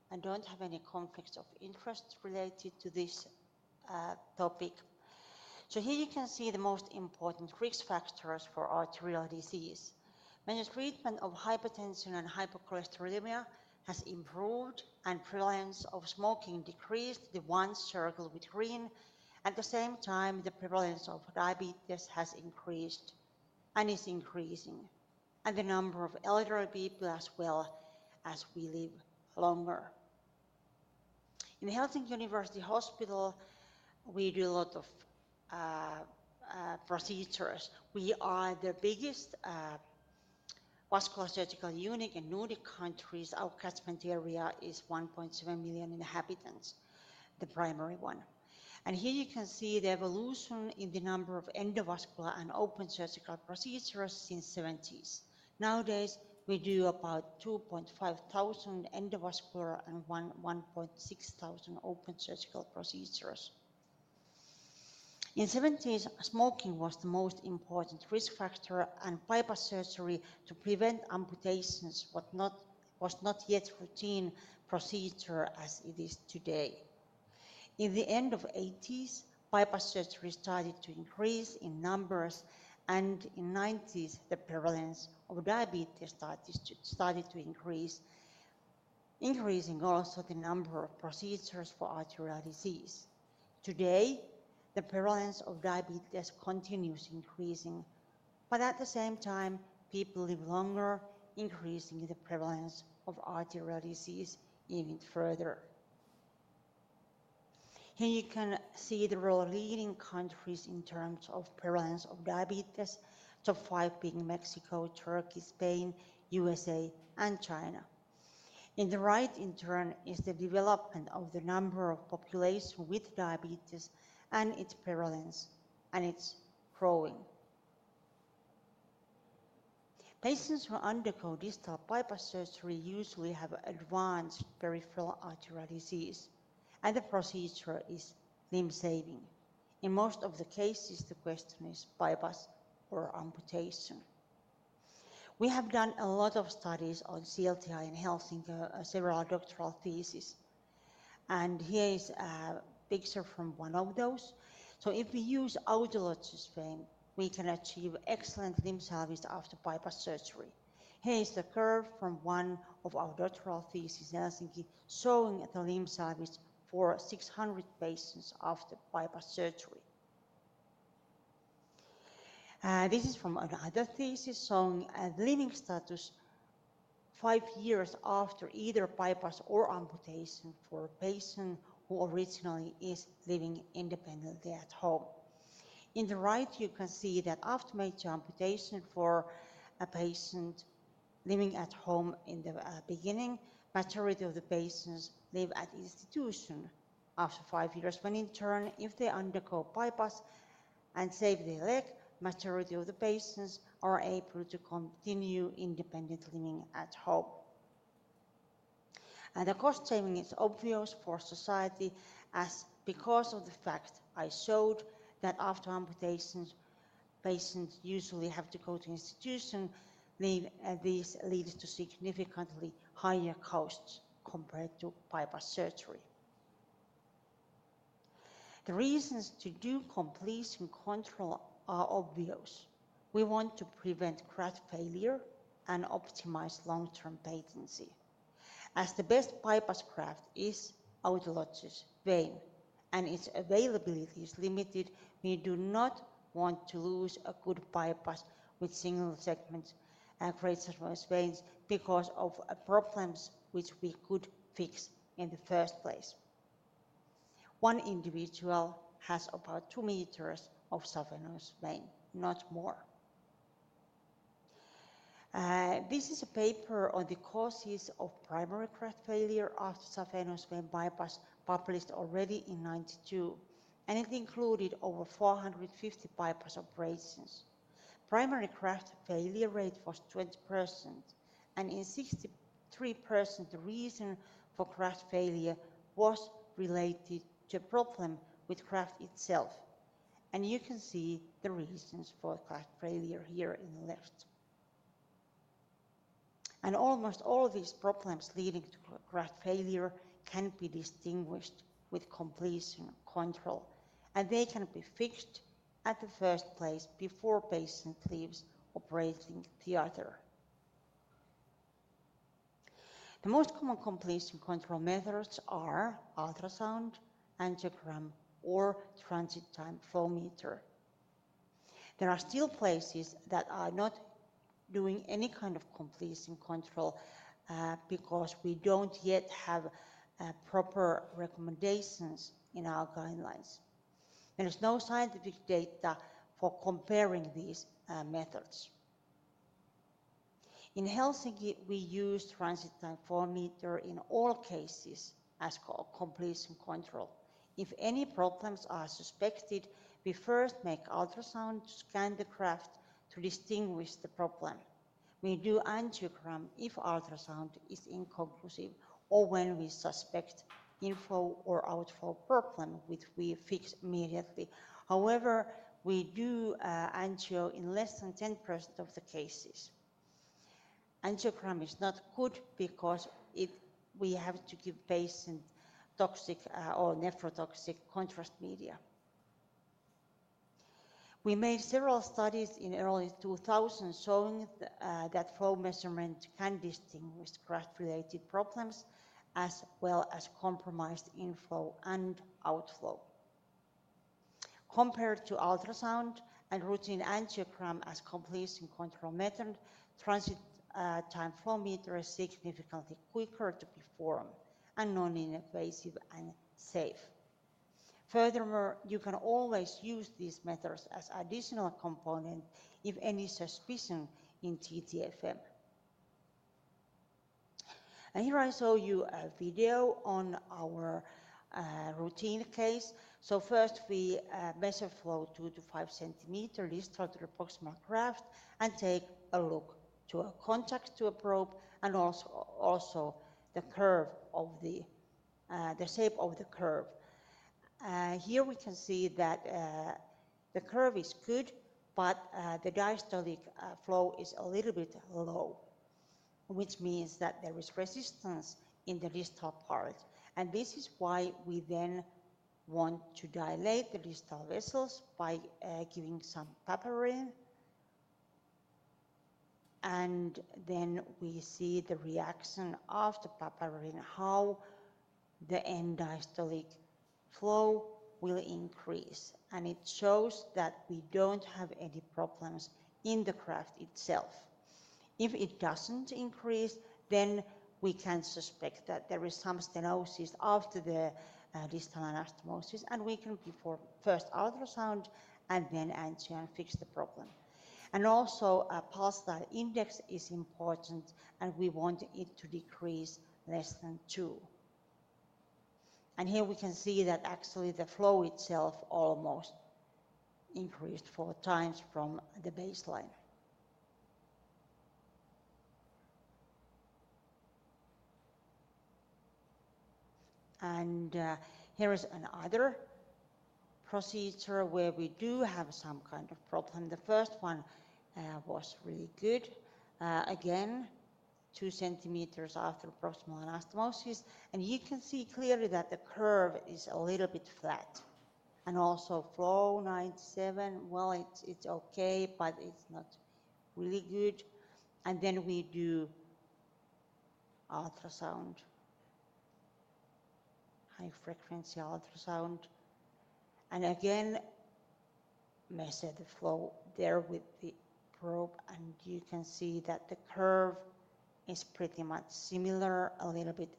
I don't have any conflicts of interest related to this topic. So here you can see the most important risk factors for arterial disease. Management of hypertension and hypercholesterolemia has improved, and prevalence of smoking decreased, the one circled with green. At the same time, the prevalence of diabetes has increased and is increasing, and the number of elderly people, as well as we live longer. In Helsinki University Hospital, we do a lot of procedures. We are the biggest vascular surgical unit in Nordic countries. Our catchment area is 1.7 million inhabitants, the primary one. Here you can see the evolution in the number of endovascular and open surgical procedures since the 1970s. Nowadays, we do about 2,500 endovascular and 1,600 open surgical procedures. In the 1970s, smoking was the most important risk factor, and bypass surgery to prevent amputations was not yet a routine procedure as it is today. In the end of the 1980s, bypass surgery started to increase in numbers, and in the 1990s, the prevalence of diabetes started to increase, increasing also the number of procedures for arterial disease. Today, the prevalence of diabetes continues increasing, but at the same time, people live longer, increasing the prevalence of arterial disease even further. Here you can see the role of leading countries in terms of prevalence of diabetes, top five being Mexico, Turkey, Spain, the U.S.A., and China. On the right, in turn, is the development of the number of populations with diabetes and its prevalence, and it's growing. Patients who undergo distal bypass surgery usually have advanced peripheral artery disease, and the procedure is limb-saving. In most of the cases, the question is bypass or amputation. We have done a lot of studies on CLTI in Helsinki, several doctoral theses. Here is a picture from one of those. If we use autologous vein, we can achieve excellent limb salvage after bypass surgery. Here is the curve from one of our doctoral theses in Helsinki showing the limb salvage for 600 patients after bypass surgery. This is from another thesis showing a survival status five years after either bypass or amputation for a patient who originally is living independently at home. On the right, you can see that after major amputation for a patient living at home in the beginning, the majority of the patients live at the institution after five years. When, in turn, if they undergo bypass and save their leg, the majority of the patients are able to continue independently living at home. The cost saving is obvious for society because of the fact I showed that after amputations, patients usually have to go to the institution. This leads to significantly higher costs compared to bypass surgery. The reasons to do completion control are obvious. We want to prevent graft failure and optimize long-term patency. As the best bypass graft is autologous vein, and its availability is limited, we do not want to lose a good bypass with single segment and great saphenous veins because of problems which we could fix in the first place. One individual has about two meters of saphenous vein, not more. This is a paper on the causes of primary graft failure after saphenous vein bypass published already in 1992, and it included over 450 bypass operations. Primary graft failure rate was 20%, and in 63%, the reason for graft failure was related to a problem with graft itself. You can see the reasons for graft failure here on the left. Almost all of these problems leading to graft failure can be distinguished with completion control, and they can be fixed at the first place before patient leaves operating theater. The most common completion control methods are ultrasound, angiogram, or transit time flowmeter. There are still places that are not doing any kind of completion control because we don't yet have proper recommendations in our guidelines. There is no scientific data for comparing these methods. In Helsinki, we use transit time flowmeter in all cases as completion control. If any problems are suspected, we first make ultrasound to scan the graft to distinguish the problem. We do angiogram if ultrasound is inconclusive or when we suspect inflow or outflow problem, which we fix immediately. However, we do angio in less than 10% of the cases. Angiogram is not good because we have to give the patient toxic or nephrotoxic contrast media. We made several studies in early 2000s showing that flow measurement can distinguish graft-related problems as well as compromised inflow and outflow. Compared to ultrasound and routine angiogram as completion control method, transit time flowmeter is significantly quicker to perform and non-invasive and safe. Furthermore, you can always use these methods as an additional component if any suspicion in TTFM, and here I show you a video on our routine case. First, we measure flow 2 to 5 centimeters distal to the proximal graft and take a look at the contact of the probe and also the shape of the curve. Here we can see that the curve is good, but the diastolic flow is a little bit low, which means that there is resistance in the distal part. And this is why we then want to dilate the distal vessels by giving some papaverine. And then we see the reaction of the papaverine, how the end-diastolic flow will increase. And it shows that we don't have any problems in the graft itself. If it doesn't increase, then we can suspect that there is some stenosis after the distal anastomosis, and we can perform first ultrasound and then angio and fix the problem. Also, a pulsatility index is important, and we want it to decrease less than two. Here we can see that actually the flow itself almost increased 4x from the baseline. Here is another procedure where we do have some kind of problem. The first one was really good. Again, two centimeters after proximal anastomosis. You can see clearly that the curve is a little bit flat. Also flow 97, well, it's okay, but it's not really good. Then we do ultrasound, high-frequency ultrasound. Again, measure the flow there with the probe, and you can see that the curve is pretty much similar, a little bit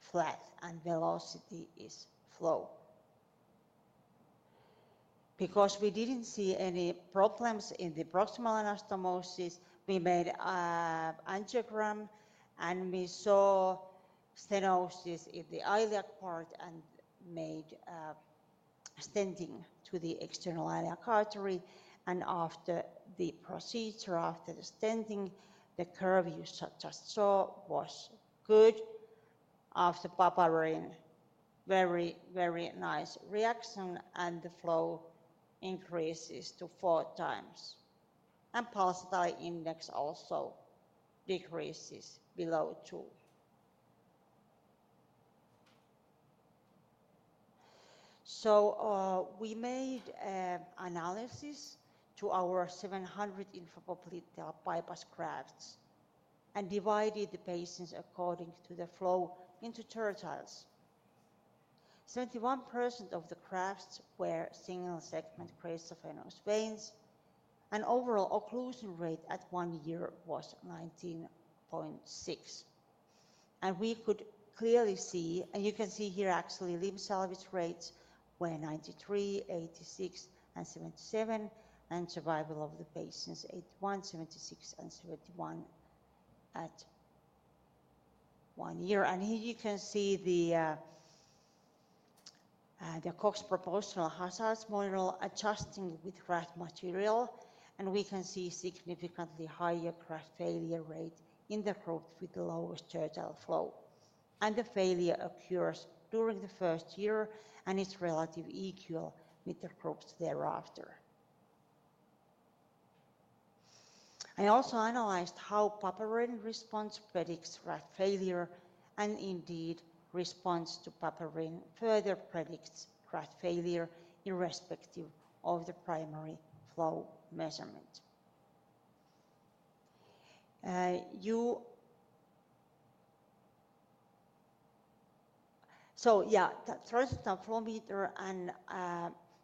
flat, and velocity is low. Because we didn't see any problems in the proximal anastomosis, we made angiogram, and we saw stenosis in the iliac part and made stenting to the external iliac artery. After the procedure, after the stenting, the curve you just saw was good. After papaverine, very, very nice reaction, and the flow increases to 4x. The pulsatility index also decreases below 2. We made an analysis of our 700 infrainguinal bypass grafts and divided the patients according to the flow into tertiles. 71% of the grafts were single-segment greater saphenous veins, and overall occlusion rate at one year was 19.6%. We could clearly see, and you can see here actually limb salvage rates were 93%, 86%, and 77%, and survival of the patients 81%, 76%, and 71% at one year. Here you can see the Cox proportional hazards model adjusting with graft material, and we can see significantly higher graft failure rate in the group with the lowest tertile flow. The failure occurs during the first year, and it's relatively equal with the groups thereafter. I also analyzed how papaverine response predicts graft failure, and indeed response to papaverine further predicts graft failure irrespective of the primary flow measurement. Yeah, the transit time flowmeter and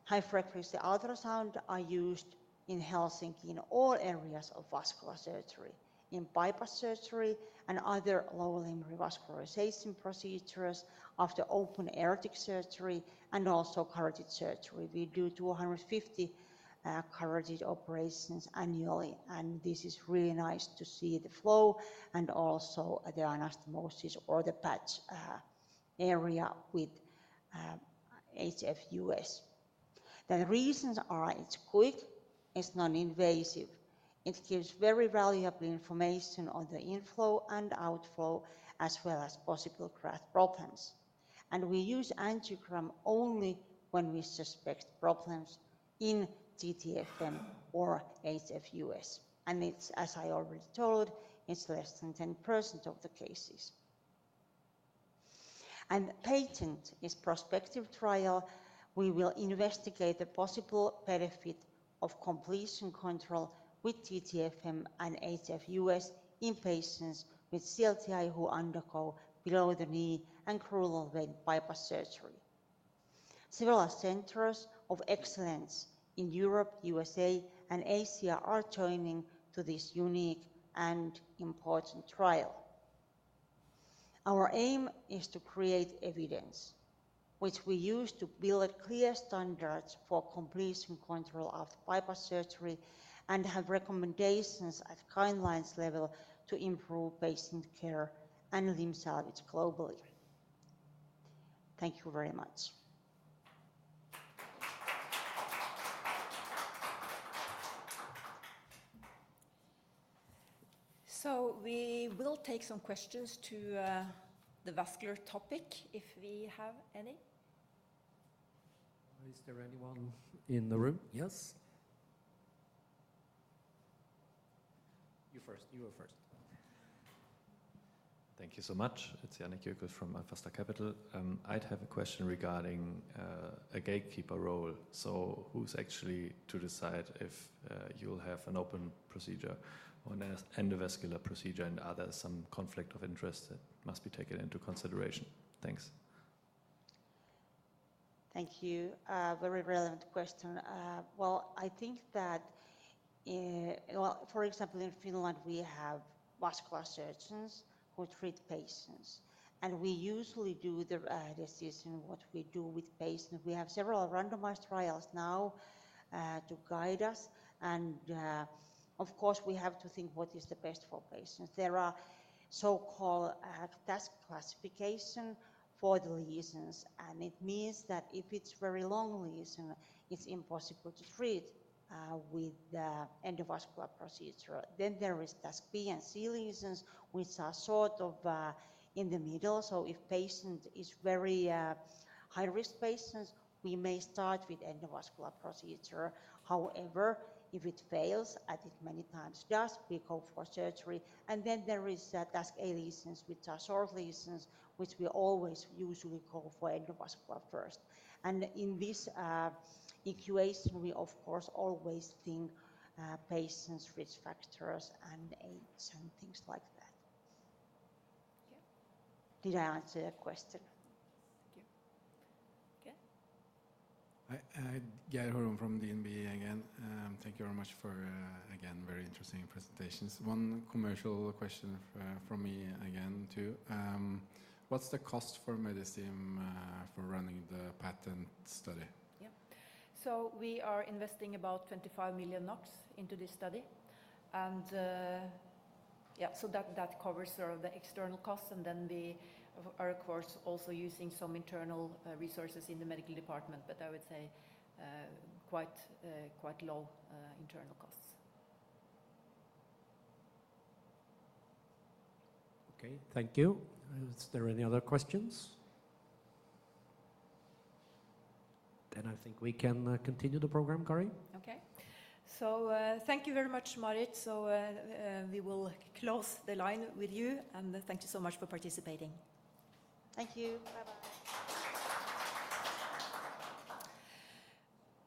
high-frequency ultrasound are used in Helsinki in all areas of vascular surgery, in bypass surgery and other lower limb revascularization procedures after open aortic surgery and also carotid surgery. We do 250 carotid operations annually, and this is really nice to see the flow and also the anastomosis or the patch area with HFUS. The reasons are it's quick, it's non-invasive. It gives very valuable information on the inflow and outflow as well as possible graft problems. We use angiogram only when we suspect problems in TTFM or HFUS. It's, as I already told, it's less than 10% of the cases. PATENT is prospective trial. We will investigate the possible benefit of completion control with TTFM and HFUS in patients with CLTI who undergo below the knee and crural vein bypass surgery. Several centers of excellence in Europe, U.S.A., and Asia are joining to this unique and important trial. Our aim is to create evidence, which we use to build clear standards for completion control of bypass surgery and have recommendations at guidelines level to improve patient care and limb salvage globally. Thank you very much. We will take some questions to the vascular topic if we have any. Is there anyone in the room? Yes. You first, you were first. Thank you so much. It's [Jan Kockel] from Alpha Star Capital. I'd have a question regarding a gatekeeper role. So who's actually to decide if you'll have an open procedure or an endovascular procedure and are there some conflict of interest that must be taken into consideration? Thanks. Thank you. Very relevant question. Well, I think that, well, for example, in Finland, we have vascular surgeons who treat patients, and we usually do the decision what we do with patients. We have several randomized trials now to guide us, and of course, we have to think what is the best for patients. There are so-called TASC classifications for the lesions, and it means that if it's a very long lesion, it's impossible to treat with the endovascular procedure, then there is TASC B and C lesions, which are sort of in the middle, so if patient is very high-risk patients, we may start with endovascular procedure. However, if it fails, as it many times does, we go for surgery. Then there is TASC A lesions with short lesions, which we always usually go for endovascular first. In this equation, we of course always think patients' risk factors and age and things like that. Thank you. Did I answer your question? Thank you. Okay. Geir Holom from DNB again. Thank you very much for, again, very interesting presentations. One commercial question from me again too. What is the cost for Medistim for running the PATENT study? Yeah. So we are investing about 25 million NOK into this study. Yeah, so that covers sort of the external costs. Then we are, of course, also using some internal resources in the medical department, but I would say quite low internal costs. Okay, thank you. Is there any other questions? Then I think we can continue the program, Kari. Okay. So thank you very much, Maarit. So we will close the line with you. And thank you so much for participating. Thank you.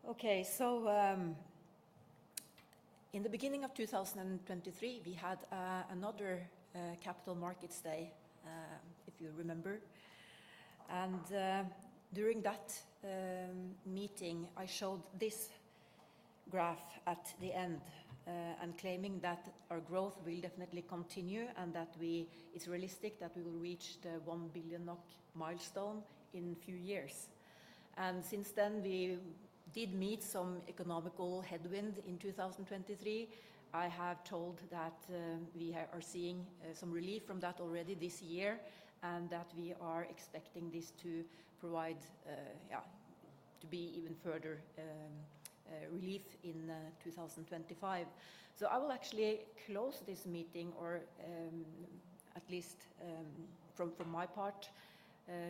Okay, so in the beginning of 2023, we had another Capital Markets Day, if you remember. And during that meeting, I showed this graph at the end and claiming that our growth will definitely continue and that it's realistic that we will reach the 1 billion NOK milestone in a few years. And since then, we did meet some economic headwinds in 2023. I have told that we are seeing some relief from that already this year and that we are expecting this to provide, yeah, to be even further relief in 2025. So I will actually close this meeting, or at least from my part,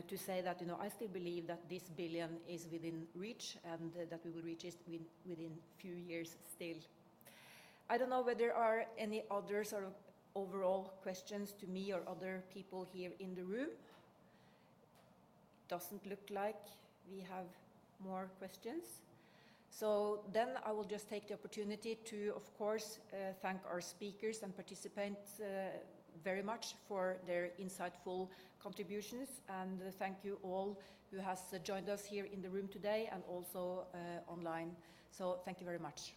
to say that I still believe that this billion is within reach and that we will reach it within a few years still. I don't know whether there are any other sort of overall questions to me or other people here in the room. It doesn't look like we have more questions, so then I will just take the opportunity to, of course, thank our speakers and participants very much for their insightful contributions, and thank you all who have joined us here in the room today and also online, so thank you very much.